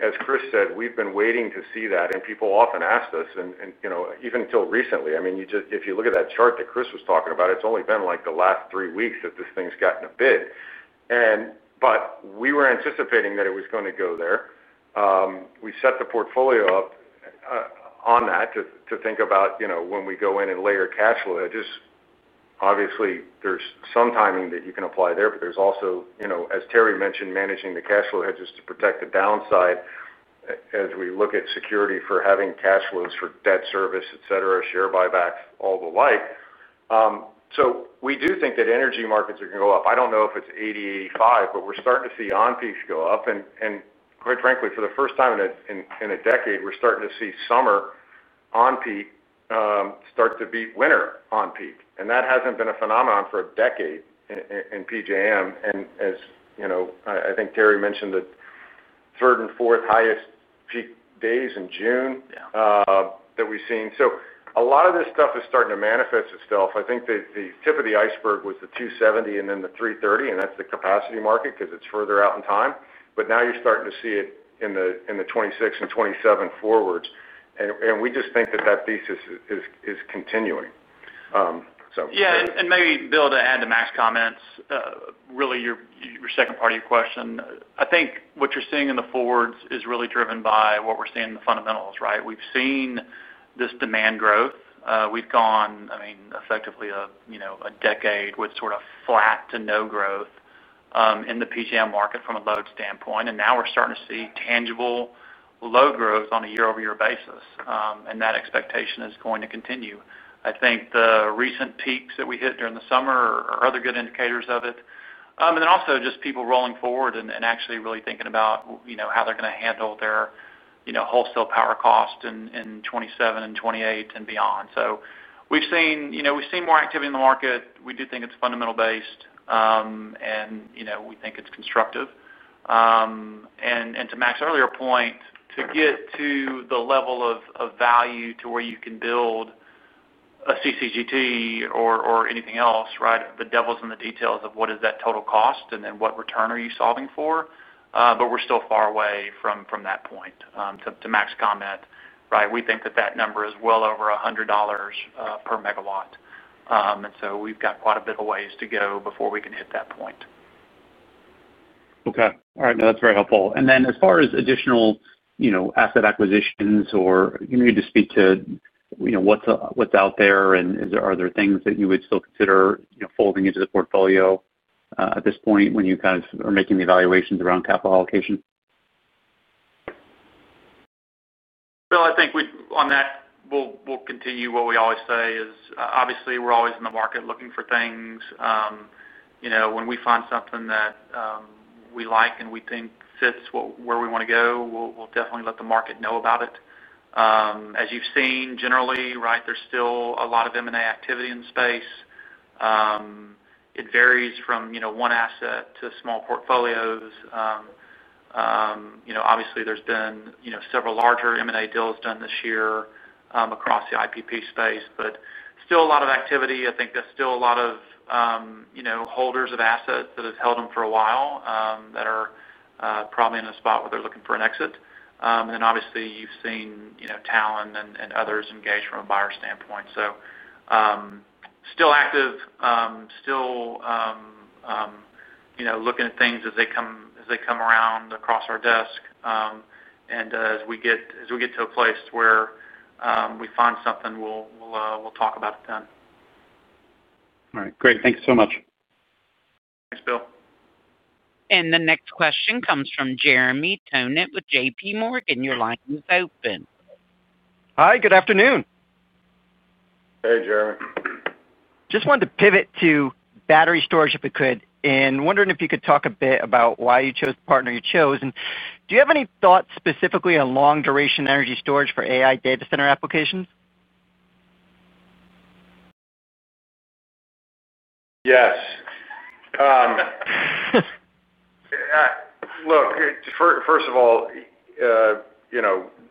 As Chris said, we've been waiting to see that, and people often asked us, and even until recently. I mean, if you look at that chart that Chris was talking about, it's only been like the last three weeks that this thing's gotten a bid. We were anticipating that it was going to go there. We set the portfolio up. On that to think about when we go in and layer cash flow. Obviously, there's some timing that you can apply there, but there's also, as Terry mentioned, managing the cash flow just to protect the downside. As we look at security for having cash flows for debt service, etc., share buybacks, all the like. We do think that energy markets are going to go up. I don't know if it's 80, 85, but we're starting to see onPeak go up. Quite frankly, for the first time in a decade, we're starting to see summer onPeak start to be winter onPeak. That hasn't been a phenomenon for a decade in PJM. I think Terry mentioned the third and fourth highest peak days in June that we've seen. A lot of this stuff is starting to manifest itself. I think the tip of the iceberg was the 270 and then the 330, and that's the capacity market because it's further out in time. Now you're starting to see it in the 26 and 27 forwards. We just think that that thesis is continuing. Yeah. Maybe, Bill, to add to Mac's comments, really your second part of your question. I think what you're seeing in the forwards is really driven by what we're seeing in the fundamentals, right? We've seen this demand growth. We've gone, I mean, effectively a decade with sort of flat to no growth in the PJM market from a load standpoint. Now we're starting to see tangible load growth on a year-over-year basis. That expectation is going to continue. I think the recent peaks that we hit during the summer are other good indicators of it. Also, just people rolling forward and actually really thinking about how they're going to handle their wholesale power cost in 2027 and 2028 and beyond. We've seen more activity in the market. We do think it's fundamental-based. We think it's constructive. To Mac's earlier point, to get to the level of value to where you can build a CCGT or anything else, right, the devil's in the details of what is that total cost and then what return are you solving for. We are still far away from that point. To Mac's comment, right, we think that that number is well over $100 per megawatt. We have quite a bit of ways to go before we can hit that point. Okay. All right. No, that's very helpful. As far as additional asset acquisitions or you need to speak to what's out there, are there things that you would still consider folding into the portfolio at this point when you kind of are making the evaluations around capital allocation? I think on that, we'll continue what we always say is, obviously, we're always in the market looking for things. When we find something that we like and we think fits where we want to go, we'll definitely let the market know about it. As you've seen, generally, right, there's still a lot of M&A activity in the space. It varies from one asset to small portfolios. Obviously, there's been several larger M&A deals done this year across the IPP space, but still a lot of activity. I think there's still a lot of holders of assets that have held them for a while that are probably in a spot where they're looking for an exit. Obviously, you've seen Talen and others engage from a buyer standpoint. Still active, still looking at things as they come around across our desk. As we get to a place where we find something, we'll talk about it then. All right. Great. Thank you so much. Thanks, Bill. The next question comes from Jeremy Tonet with JPMorgan. Your line is open. Hi. Good afternoon. Hey, Jeremy. Just wanted to pivot to battery storage if we could. I am wondering if you could talk a bit about why you chose the partner you chose. Do you have any thoughts specifically on long-duration energy storage for AI data center applications? Yes. Look. First of all,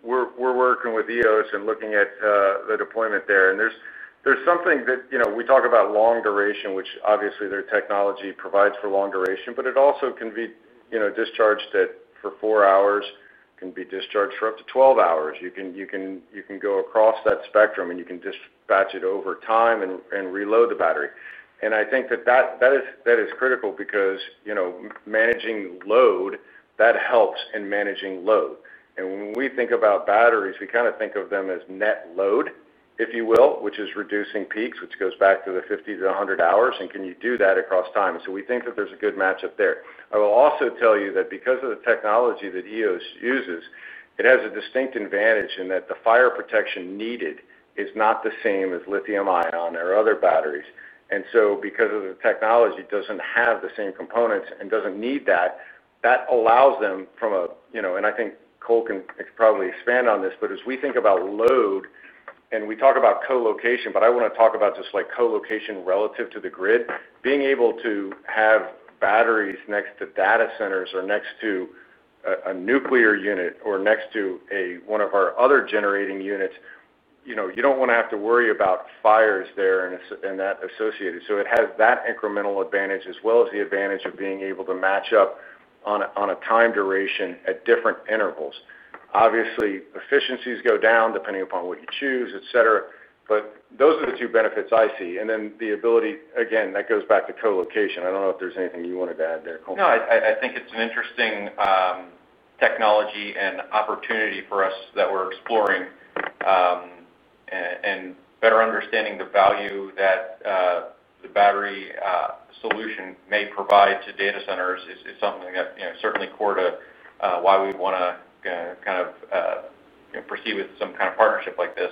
we're working with EOS and looking at the deployment there. There's something that we talk about, long duration, which obviously their technology provides for long duration, but it also can be discharged for four hours, can be discharged for up to 12 hours. You can go across that spectrum and you can dispatch it over time and reload the battery. I think that that is critical because managing load, that helps in managing load. When we think about batteries, we kind of think of them as net load, if you will, which is reducing peaks, which goes back to the 50-100 hours. Can you do that across time? We think that there's a good matchup there. I will also tell you that because of the technology that EOS uses, it has a distinct advantage in that the fire protection needed is not the same as lithium-ion or other batteries. Because of the technology, it does not have the same components and does not need that. That allows them from a—and I think Cole can probably expand on this—as we think about load and we talk about colocation, I want to talk about just colocation relative to the grid, being able to have batteries next to data centers or next to a nuclear unit or next to one of our other generating units. You do not want to have to worry about fires there and that associated. It has that incremental advantage as well as the advantage of being able to match up on a time duration at different intervals. Obviously, efficiencies go down depending upon what you choose, etc., but those are the two benefits I see. Then the ability, again, that goes back to colocation. I do not know if there is anything you wanted to add there, Cole. No, I think it's an interesting technology and opportunity for us that we're exploring. And better understanding the value that the battery solution may provide to data centers is something that's certainly core to why we want to kind of proceed with some kind of partnership like this.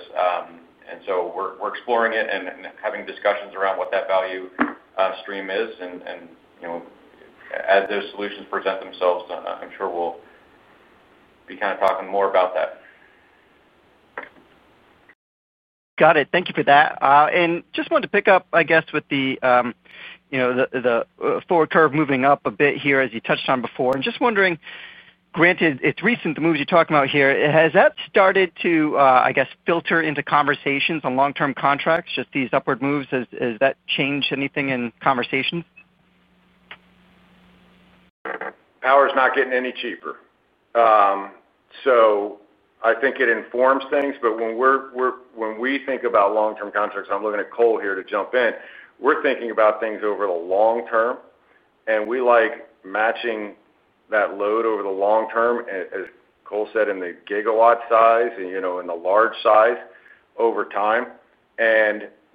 We're exploring it and having discussions around what that value stream is. As those solutions present themselves, I'm sure we'll be kind of talking more about that. Got it. Thank you for that. I just wanted to pick up, I guess, with the forward curve moving up a bit here as you touched on before. I am just wondering, granted, it's recent, the moves you're talking about here, has that started to, I guess, filter into conversations on long-term contracts, just these upward moves? Has that changed anything in conversations? Power is not getting any cheaper. I think it informs things. When we think about long-term contracts, I'm looking at Cole here to jump in, we're thinking about things over the long-term. We like matching that load over the long-term, as Cole said, in the gigawatt size and the large size over time.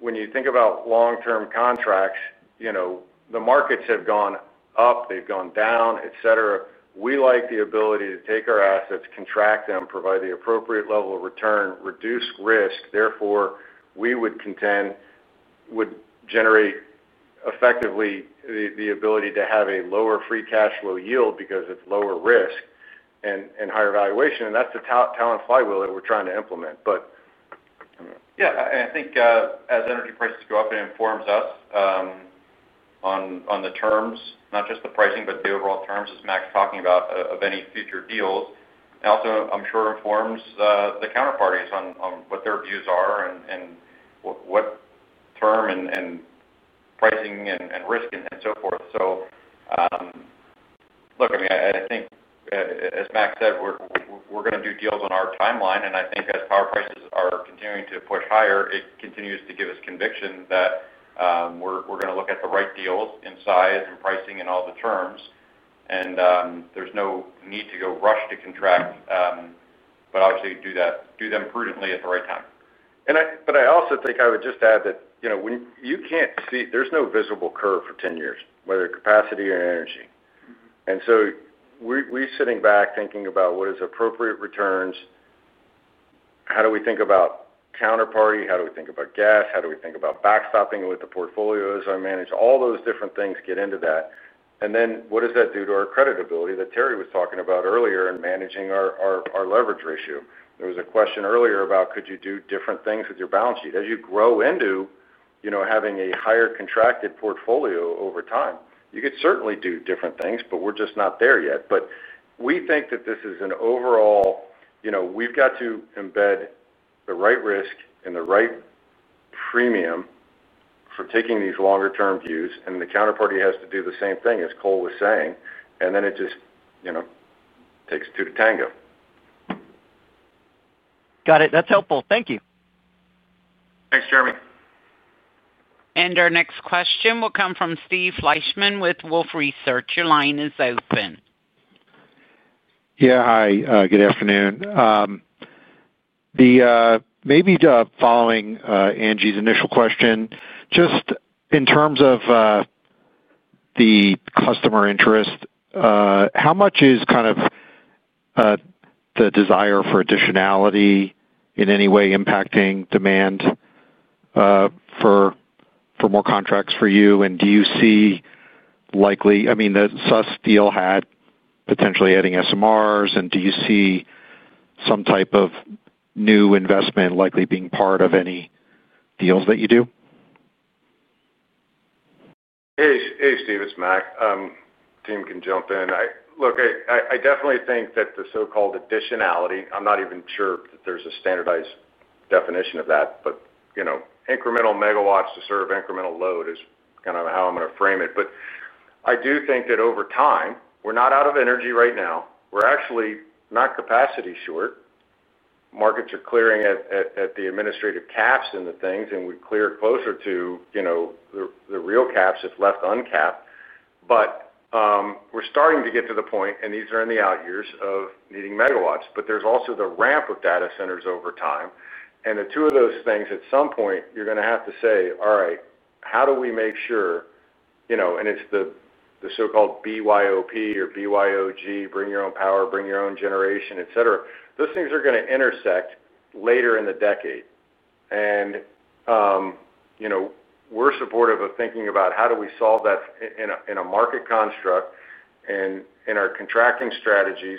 When you think about long-term contracts, the markets have gone up, they've gone down, etc. We like the ability to take our assets, contract them, provide the appropriate level of return, reduce risk. Therefore, we would contend, would generate effectively the ability to have a lower free cash flow yield because it's lower risk and higher valuation. That's the Talen Flywheel that we're trying to implement. Yeah. I think as energy prices go up, it informs us. On the terms, not just the pricing, but the overall terms as Mac's talking about of any future deals. Also, I'm sure it informs the counterparties on what their views are and what term and pricing and risk and so forth. Look, I mean, I think as Mac said, we're going to do deals on our timeline. I think as power prices are continuing to push higher, it continues to give us conviction that we're going to look at the right deals in size and pricing and all the terms. There's no need to go rush to contract. Obviously do them prudently at the right time. I also think I would just add that you cannot see—there is no visible curve for 10 years, whether capacity or energy. We are sitting back thinking about what is appropriate returns. How do we think about counterparty? How do we think about gas? How do we think about backstopping with the portfolios? I manage all those different things get into that. What does that do to our creditability that Terry was talking about earlier in managing our leverage ratio? There was a question earlier about could you do different things with your balance sheet as you grow into having a higher contracted portfolio over time? You could certainly do different things, but we are just not there yet. We think that this is an overall—we have to embed the right risk and the right premium for taking these longer-term views. The counterparty has to do the same thing, as Cole was saying. It just takes two to tango. Got it. That's helpful. Thank you. Thanks, Jeremy. Our next question will come from Steve Fleischman with Wolfe Research. Your line is open. Yeah. Hi. Good afternoon. Maybe following Angie's initial question, just in terms of the customer interest. How much is kind of the desire for additionality in any way impacting demand for more contracts for you? I mean, the SUS deal had potentially adding SMRs. And do you see some type of new investment likely being part of any deals that you do? Hey, Steve. It's Mac. Tim can jump in. Look, I definitely think that the so-called additionality—I'm not even sure that there's a standardized definition of that—but incremental megawatts to serve incremental load is kind of how I'm going to frame it. I do think that over time, we're not out of energy right now. We're actually not capacity short. Markets are clearing at the administrative caps and the things, and we clear closer to the real caps if left uncapped. We're starting to get to the point—these are in the out years—of needing megawatts. There's also the ramp of data centers over time. The two of those things, at some point, you're going to have to say, "All right, how do we make sure—" It's the so-called BYOP or BYOG, bring your own power, bring your own generation, etc. Those things are going to intersect later in the decade. We are supportive of thinking about how do we solve that in a market construct and in our contracting strategies,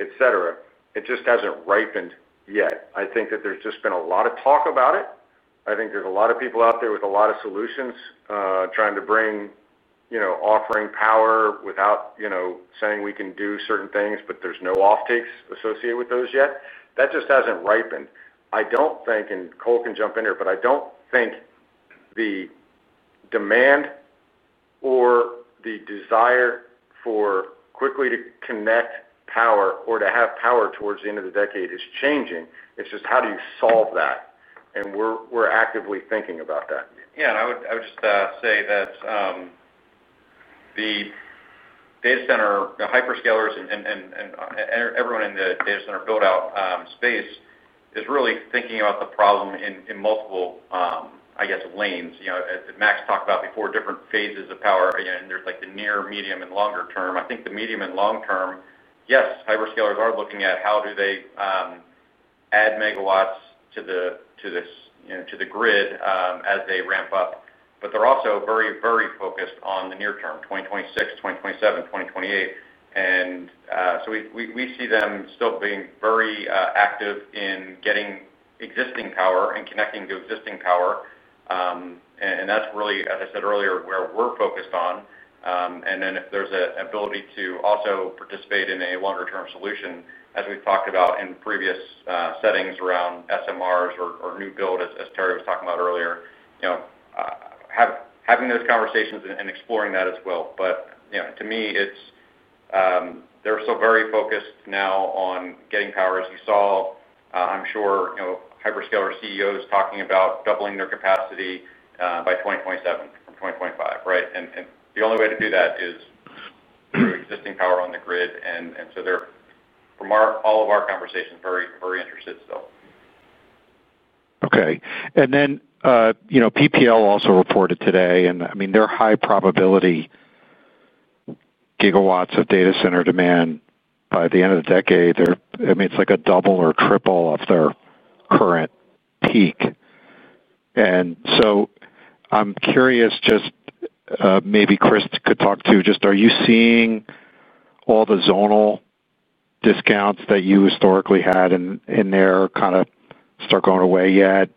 etc. It just has not ripened yet. I think that there has just been a lot of talk about it. I think there are a lot of people out there with a lot of solutions trying to bring, offering power without saying we can do certain things, but there are no offtakes associated with those yet. That just has not ripened. I do not think— and Cole can jump in here— but I do not think the demand or the desire for quickly to connect power or to have power towards the end of the decade is changing. It is just how do you solve that? We are actively thinking about that. Yeah. I would just say that the data center, the hyperscalers, and everyone in the data center buildout space is really thinking about the problem in multiple, I guess, lanes. As Mac's talked about before, different phases of power. There is the near, medium, and longer-term. I think the medium and long-term, yes, hyperscalers are looking at how do they add megawatts to the grid as they ramp up. They are also very, very focused on the near-term, 2026, 2027, 2028. We see them still being very active in getting existing power and connecting to existing power. That is really, as I said earlier, where we are focused on. If there is an ability to also participate in a longer-term solution, as we have talked about in previous settings around SMRs or new build, as Terry was talking about earlier. Having those conversations and exploring that as well. To me, they're still very focused now on getting power. As you saw, I'm sure hyperscaler CEOs talking about doubling their capacity by 2027, from 2025, right? The only way to do that is through existing power on the grid. From all of our conversations, very interested still. Okay. PPL also reported today. I mean, their high probability gigawatts of data center demand by the end of the decade. I mean, it's like a double or triple of their current peak. I'm curious, just maybe Chris could talk to just are you seeing all the zonal discounts that you historically had in there kind of start going away yet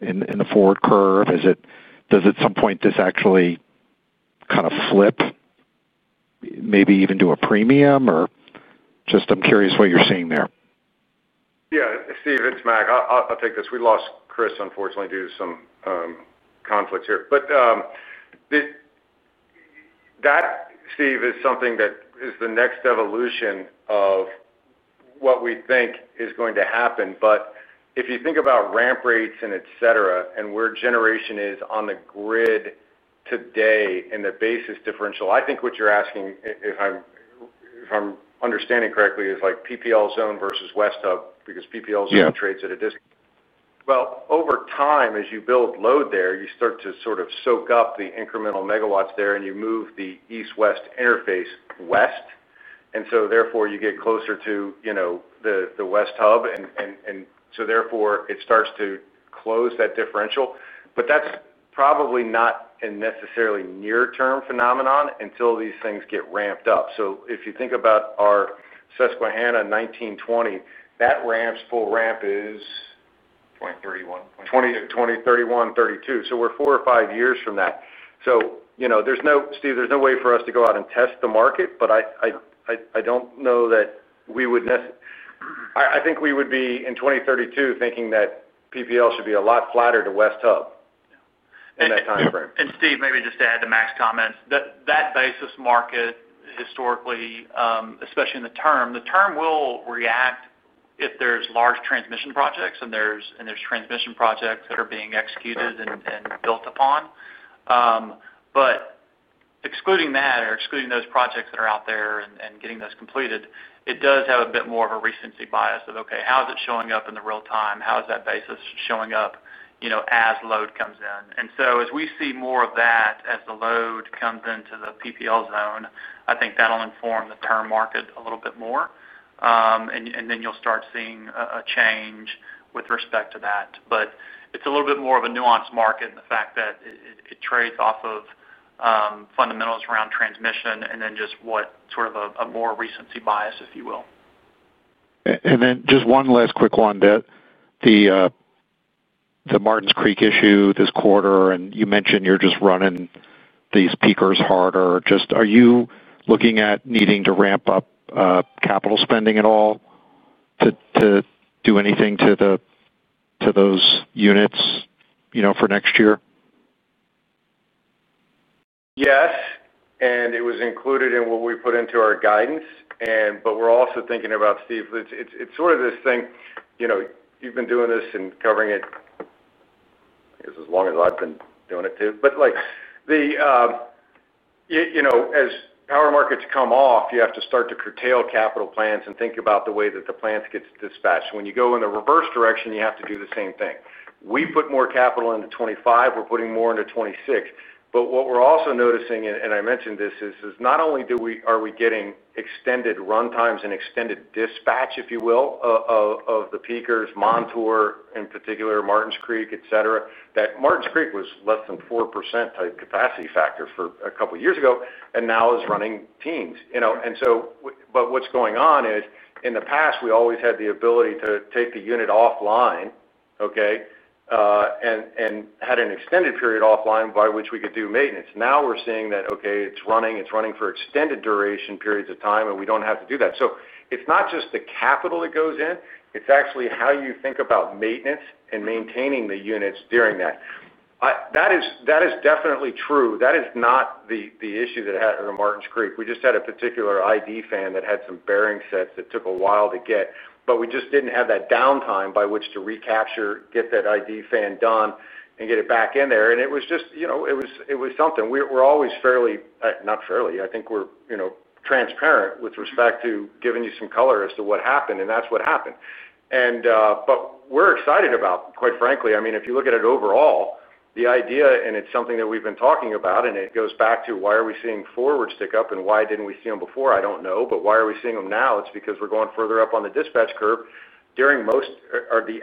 in the forward curve? Does at some point this actually kind of flip, maybe even to a premium? I'm curious what you're seeing there. Yeah. Steve, it's Mac. I'll take this. We lost Chris, unfortunately, due to some conflicts here. That, Steve, is something that is the next evolution of what we think is going to happen. If you think about ramp rates and etc., and where generation is on the grid today and the basis differential, I think what you're asking, if I'm understanding correctly, is PPL zone versus West Hub because PPL zone trades at a discount. Over time, as you build load there, you start to sort of soak up the incremental megawatts there and you move the east-west interface west. Therefore, you get closer to the West Hub. Therefore, it starts to close that differential. That's probably not a necessarily near-term phenomenon until these things get ramped up. If you think about our Susquehanna 1920, that ramp's full ramp is. 2031. 2031, 2032. We are four or five years from that. Steve, there is no way for us to go out and test the market, but I do not know that we would. I think we would be in 2032 thinking that PPL should be a lot flatter to West Hub in that timeframe. Steve, maybe just to add to Mac's comments, that basis market historically, especially in the term, the term will react if there's large transmission projects and there's transmission projects that are being executed and built upon. Excluding that or excluding those projects that are out there and getting those completed, it does have a bit more of a recency bias of, "Okay, how is it showing up in the real time? How is that basis showing up. As load comes in?" As we see more of that as the load comes into the PPL zone, I think that'll inform the term market a little bit more. Then you'll start seeing a change with respect to that. It's a little bit more of a nuanced market in the fact that it trades off of. Fundamentals around transmission and then just what sort of a more recency bias, if you will. Just one last quick one. The Martin's Creek issue this quarter, and you mentioned you're just running these peakers harder. Are you looking at needing to ramp up capital spending at all to do anything to those units for next year? Yes. It was included in what we put into our guidance. We're also thinking about, Steve, it's sort of this thing. You've been doing this and covering it, I guess as long as I've been doing it too. As power markets come off, you have to start to curtail capital plans and think about the way that the plans get dispatched. When you go in the reverse direction, you have to do the same thing. We put more capital into 2025. We're putting more into 2026. What we're also noticing, and I mentioned this, is not only are we getting extended runtimes and extended dispatch, if you will, of the peakers, Montour in particular, Martin's Creek, etc., that Martin's Creek was less than 4% type capacity factor a couple of years ago and now is running teams. What's going on is in the past, we always had the ability to take the unit offline, okay. We had an extended period offline by which we could do maintenance. Now we're seeing that, okay, it's running. It's running for extended duration periods of time, and we don't have to do that. It's not just the capital that goes in. It's actually how you think about maintenance and maintaining the units during that. That is definitely true. That is not the issue that had Martin's Creek. We just had a particular ID fan that had some bearing sets that took a while to get. We just didn't have that downtime by which to recapture, get that ID fan done, and get it back in there. It was just something. We're always fairly—not fairly. I think we're transparent with respect to giving you some color as to what happened. That is what happened. We're excited about it, quite frankly. I mean, if you look at it overall, the idea—and it's something that we've been talking about—it goes back to why are we seeing forwards stick up and why did we not see them before? I do not know. Why are we seeing them now? It is because we're going further up on the dispatch curve. Every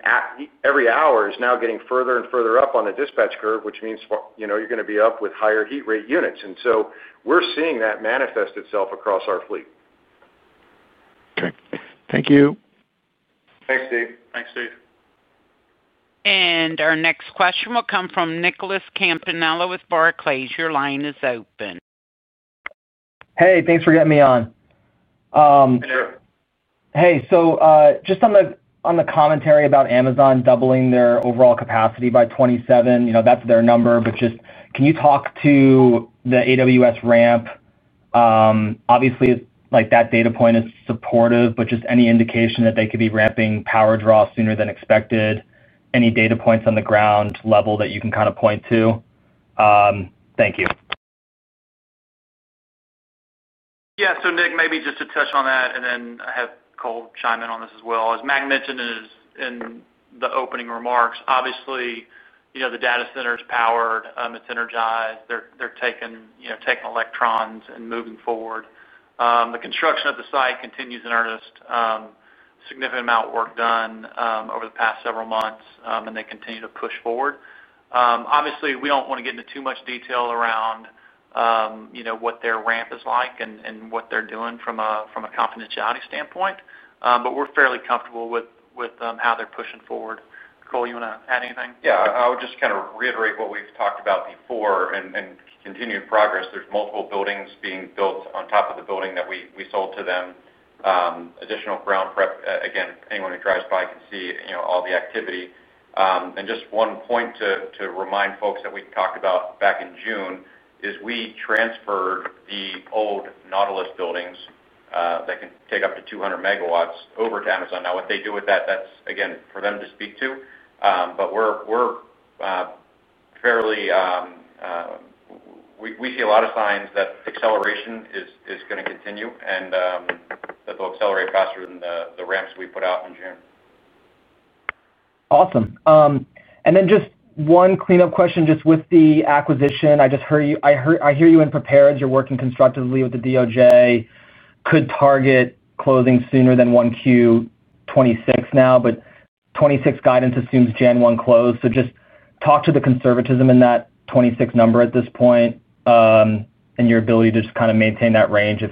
hour is now getting further and further up on the dispatch curve, which means you're going to be up with higher heat rate units. We're seeing that manifest itself across our fleet. Okay. Thank you. Thanks, Steve. Thanks, Steve. Our next question will come from Nicholas Campanella with Barclays. Your line is open. Hey, thanks for getting me on. Sure. Hey, just on the commentary about Amazon doubling their overall capacity by 2027, that's their number. Can you talk to the AWS ramp? Obviously, that data point is supportive, but any indication that they could be ramping power draw sooner than expected? Any data points on the ground level that you can kind of point to? Thank you. Yeah. Nick, maybe just to touch on that, and then I have Cole chime in on this as well. As Mac mentioned in the opening remarks, obviously, the data center is powered. It's energized. They're taking electrons and moving forward. The construction of the site continues in earnest. Significant amount of work done over the past several months, and they continue to push forward. Obviously, we don't want to get into too much detail around what their ramp is like and what they're doing from a confidentiality standpoint. We're fairly comfortable with how they're pushing forward. Cole, you want to add anything? Yeah. I would just kind of reiterate what we've talked about before and continued progress. There's multiple buildings being built on top of the building that we sold to them. Additional ground prep. Again, anyone who drives by can see all the activity. Just one point to remind folks that we talked about back in June is we transferred the old Nautilus buildings that can take up to 200 MW over to Amazon. Now, what they do with that, that's again for them to speak to. We see a lot of signs that acceleration is going to continue. That they'll accelerate faster than the ramps we put out in June. Awesome. Just one clean-up question with the acquisition. I hear you in prepared as you're working constructively with the U.S. Department of Justice. Could target closing sooner than first quarter 2026 now. 2026 guidance assumes January 1 closed. Just talk to the conservatism in that 2026 number at this point and your ability to just kind of maintain that range if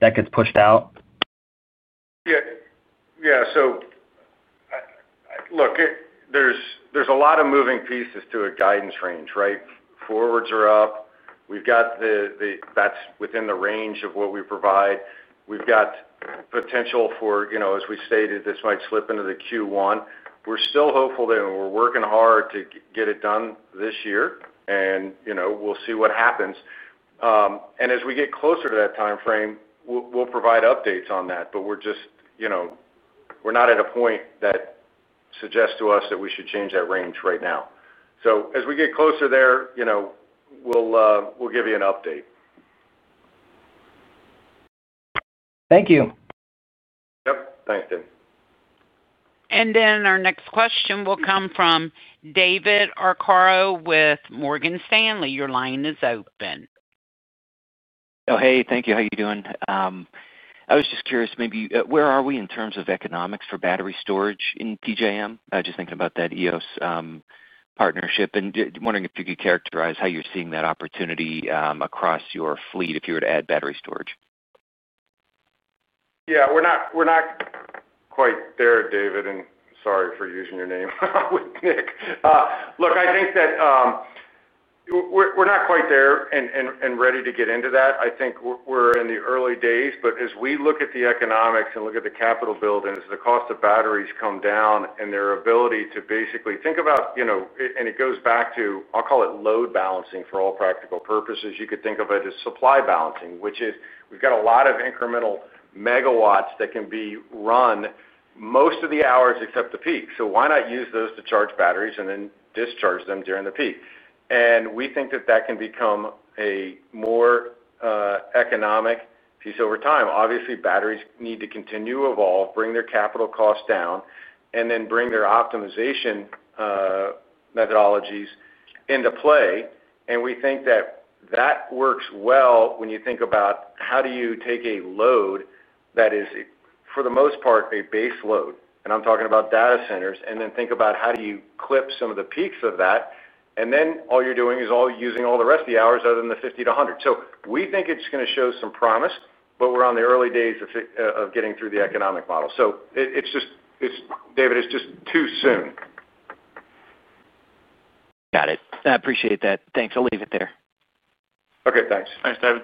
that gets pushed out. Yeah. Yeah. So, look, there's a lot of moving pieces to a guidance range, right? Forwards are up. We've got the—that's within the range of what we provide. We've got potential for, as we stated, this might slip into the Q1. We're still hopeful that we're working hard to get it done this year, and we'll see what happens. As we get closer to that timeframe, we'll provide updates on that. We're just not at a point that suggests to us that we should change that range right now. As we get closer there, we'll give you an update. Thank you. Yep. Thanks, David. Our next question will come from David Arcaro with Morgan Stanley. Your line is open. Hey, thank you. How are you doing? I was just curious, maybe where are we in terms of economics for battery storage in PJM? Just thinking about that EOS partnership. And wondering if you could characterize how you're seeing that opportunity across your fleet if you were to add battery storage. Yeah. We're not quite there, David. And sorry for using your name with Nick. Look, I think that we're not quite there and ready to get into that. I think we're in the early days. As we look at the economics and look at the capital build, as the cost of batteries come down and their ability to basically think about— it goes back to, I'll call it load balancing for all practical purposes. You could think of it as supply balancing, which is we've got a lot of incremental megawatts that can be run most of the hours except the peak. Why not use those to charge batteries and then discharge them during the peak? We think that that can become a more economic piece over time. Obviously, batteries need to continue to evolve, bring their capital costs down, and then bring their optimization. Methodologies into play. We think that that works well when you think about how do you take a load that is, for the most part, a base load—I am talking about data centers—and then think about how do you clip some of the peaks of that. All you are doing is using all the rest of the hours other than the 50-100. We think it is going to show some promise, but we are in the early days of getting through the economic model. It is just—David, it is just too soon. Got it. I appreciate that. Thanks. I'll leave it there. Okay. Thanks. Thanks, David.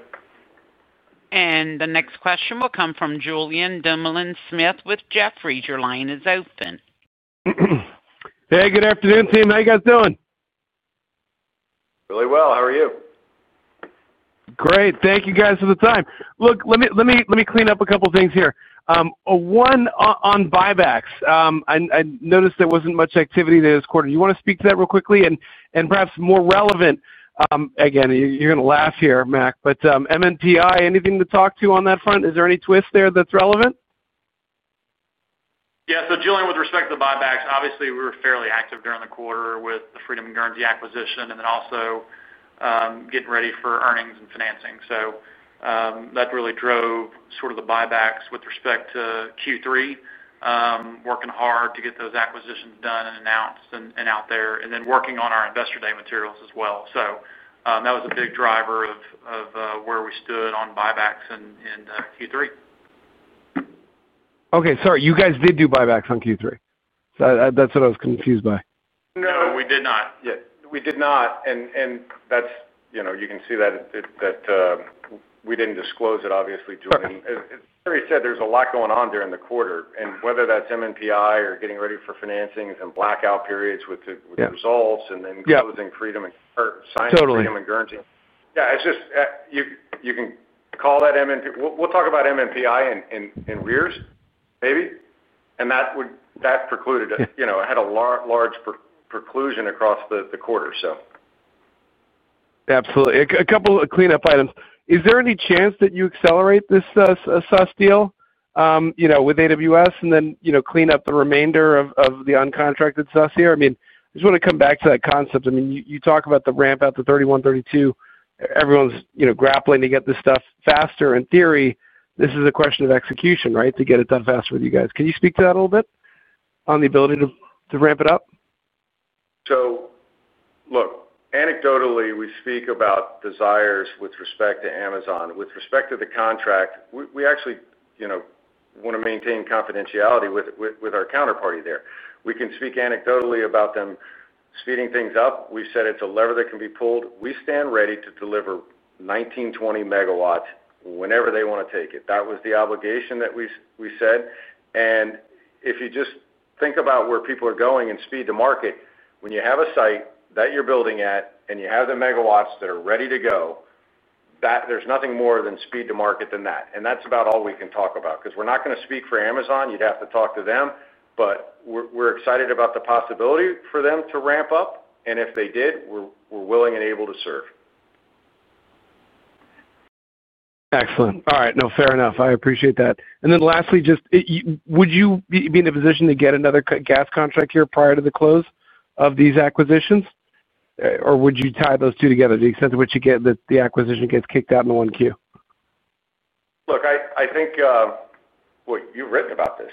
The next question will come from Julien Dumoulin-Smith with Jefferies. Your line is open. Hey, good afternoon, team. How you guys doing? Really well. How are you? Great. Thank you, guys, for the time. Look, let me clean up a couple of things here. One on buybacks. I noticed there was not much activity this quarter. You want to speak to that real quickly and perhaps more relevant? Again, you are going to laugh here, Mac. But MNPI, anything to talk to on that front? Is there any twist there that is relevant? Yeah. So Julien, with respect to buybacks, obviously, we were fairly active during the quarter with the Freedom and Guernsey acquisition and then also getting ready for earnings and financing. That really drove sort of the buybacks with respect to Q3. Working hard to get those acquisitions done and announced and out there, and then working on our investor day materials as well. That was a big driver of where we stood on buybacks in Q3. Okay. Sorry. You guys did do buybacks on Q3. So that's what I was confused by. No, we did not. We did not. You can see that. We did not disclose it, obviously. Julien said there's a lot going on during the quarter. Whether that's MNPI or getting ready for financing and blackout periods with the results and then closing Freedom and Guernsey. Yeah. You can call that MNPI. We'll talk about MNPI in rears, maybe. That had a large preclusion across the quarter. Absolutely. A couple of clean-up items. Is there any chance that you accelerate this SaaS deal with AWS and then clean up the remainder of the uncontracted SaaS here? I mean, I just want to come back to that concept. I mean, you talk about the ramp out to 2031, 2032. Everyone's grappling to get this stuff faster. In theory, this is a question of execution, right, to get it done faster with you guys. Can you speak to that a little bit on the ability to ramp it up? Look, anecdotally, we speak about desires with respect to Amazon. With respect to the contract, we actually want to maintain confidentiality with our counterparty there. We can speak anecdotally about them speeding things up. We said it's a lever that can be pulled. We stand ready to deliver 19, 20 MW whenever they want to take it. That was the obligation that we said. If you just think about where people are going in speed to market, when you have a site that you're building at and you have the megawatts that are ready to go, there's nothing more than speed to market than that. That's about all we can talk about, because we're not going to speak for Amazon. You'd have to talk to them. We're excited about the possibility for them to ramp up. If they did, we're willing and able to serve. Excellent. All right. No, fair enough. I appreciate that. Lastly, just would you be in a position to get another gas contract here prior to the close of these acquisitions? Or would you tie those two together to the extent to which the acquisition gets kicked out in the 1Q? Look, I think. What you've written about this,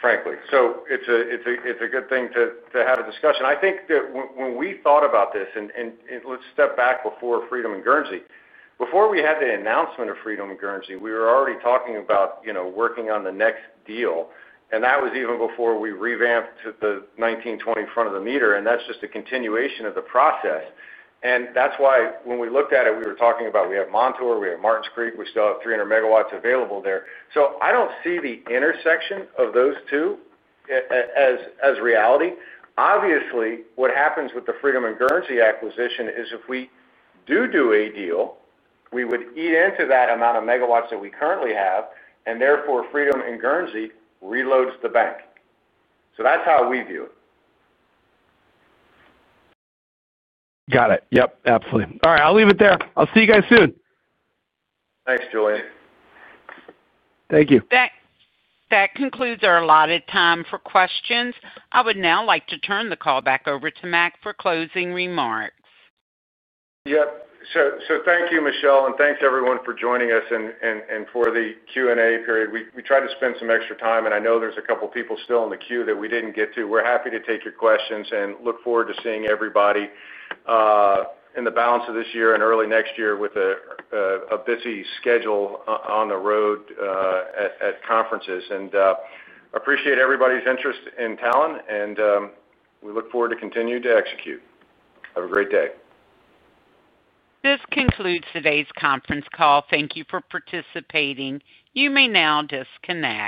frankly. It is a good thing to have a discussion. I think that when we thought about this—and let's step back before Freedom and Guernsey—before we had the announcement of Freedom and Guernsey, we were already talking about working on the next deal. That was even before we revamped to the 19, 20 front-of-the-meter. That is just a continuation of the process. That is why when we looked at it, we were talking about we have Montour, we have Martin's Creek, we still have 300 MW available there. I do not see the intersection of those two as reality. Obviously, what happens with the Freedom and Guernsey acquisition is if we do do a deal, we would eat into that amount of megawatts that we currently have. Therefore, Freedom and Guernsey reloads the bank. That's how we view it. Got it. Yep. Absolutely. All right. I'll leave it there. I'll see you guys soon. Thanks, Julien. Thank you. That concludes our allotted time for questions. I would now like to turn the call back over to Mac for closing remarks. Yep. Thank you, Michelle. Thanks, everyone, for joining us and for the Q&A period. We tried to spend some extra time. I know there's a couple of people still in the queue that we didn't get to. We're happy to take your questions and look forward to seeing everybody in the balance of this year and early next year with a busy schedule on the road at conferences. I appreciate everybody's interest in Talen. We look forward to continuing to execute. Have a great day. This concludes today's conference call. Thank you for participating. You may now disconnect.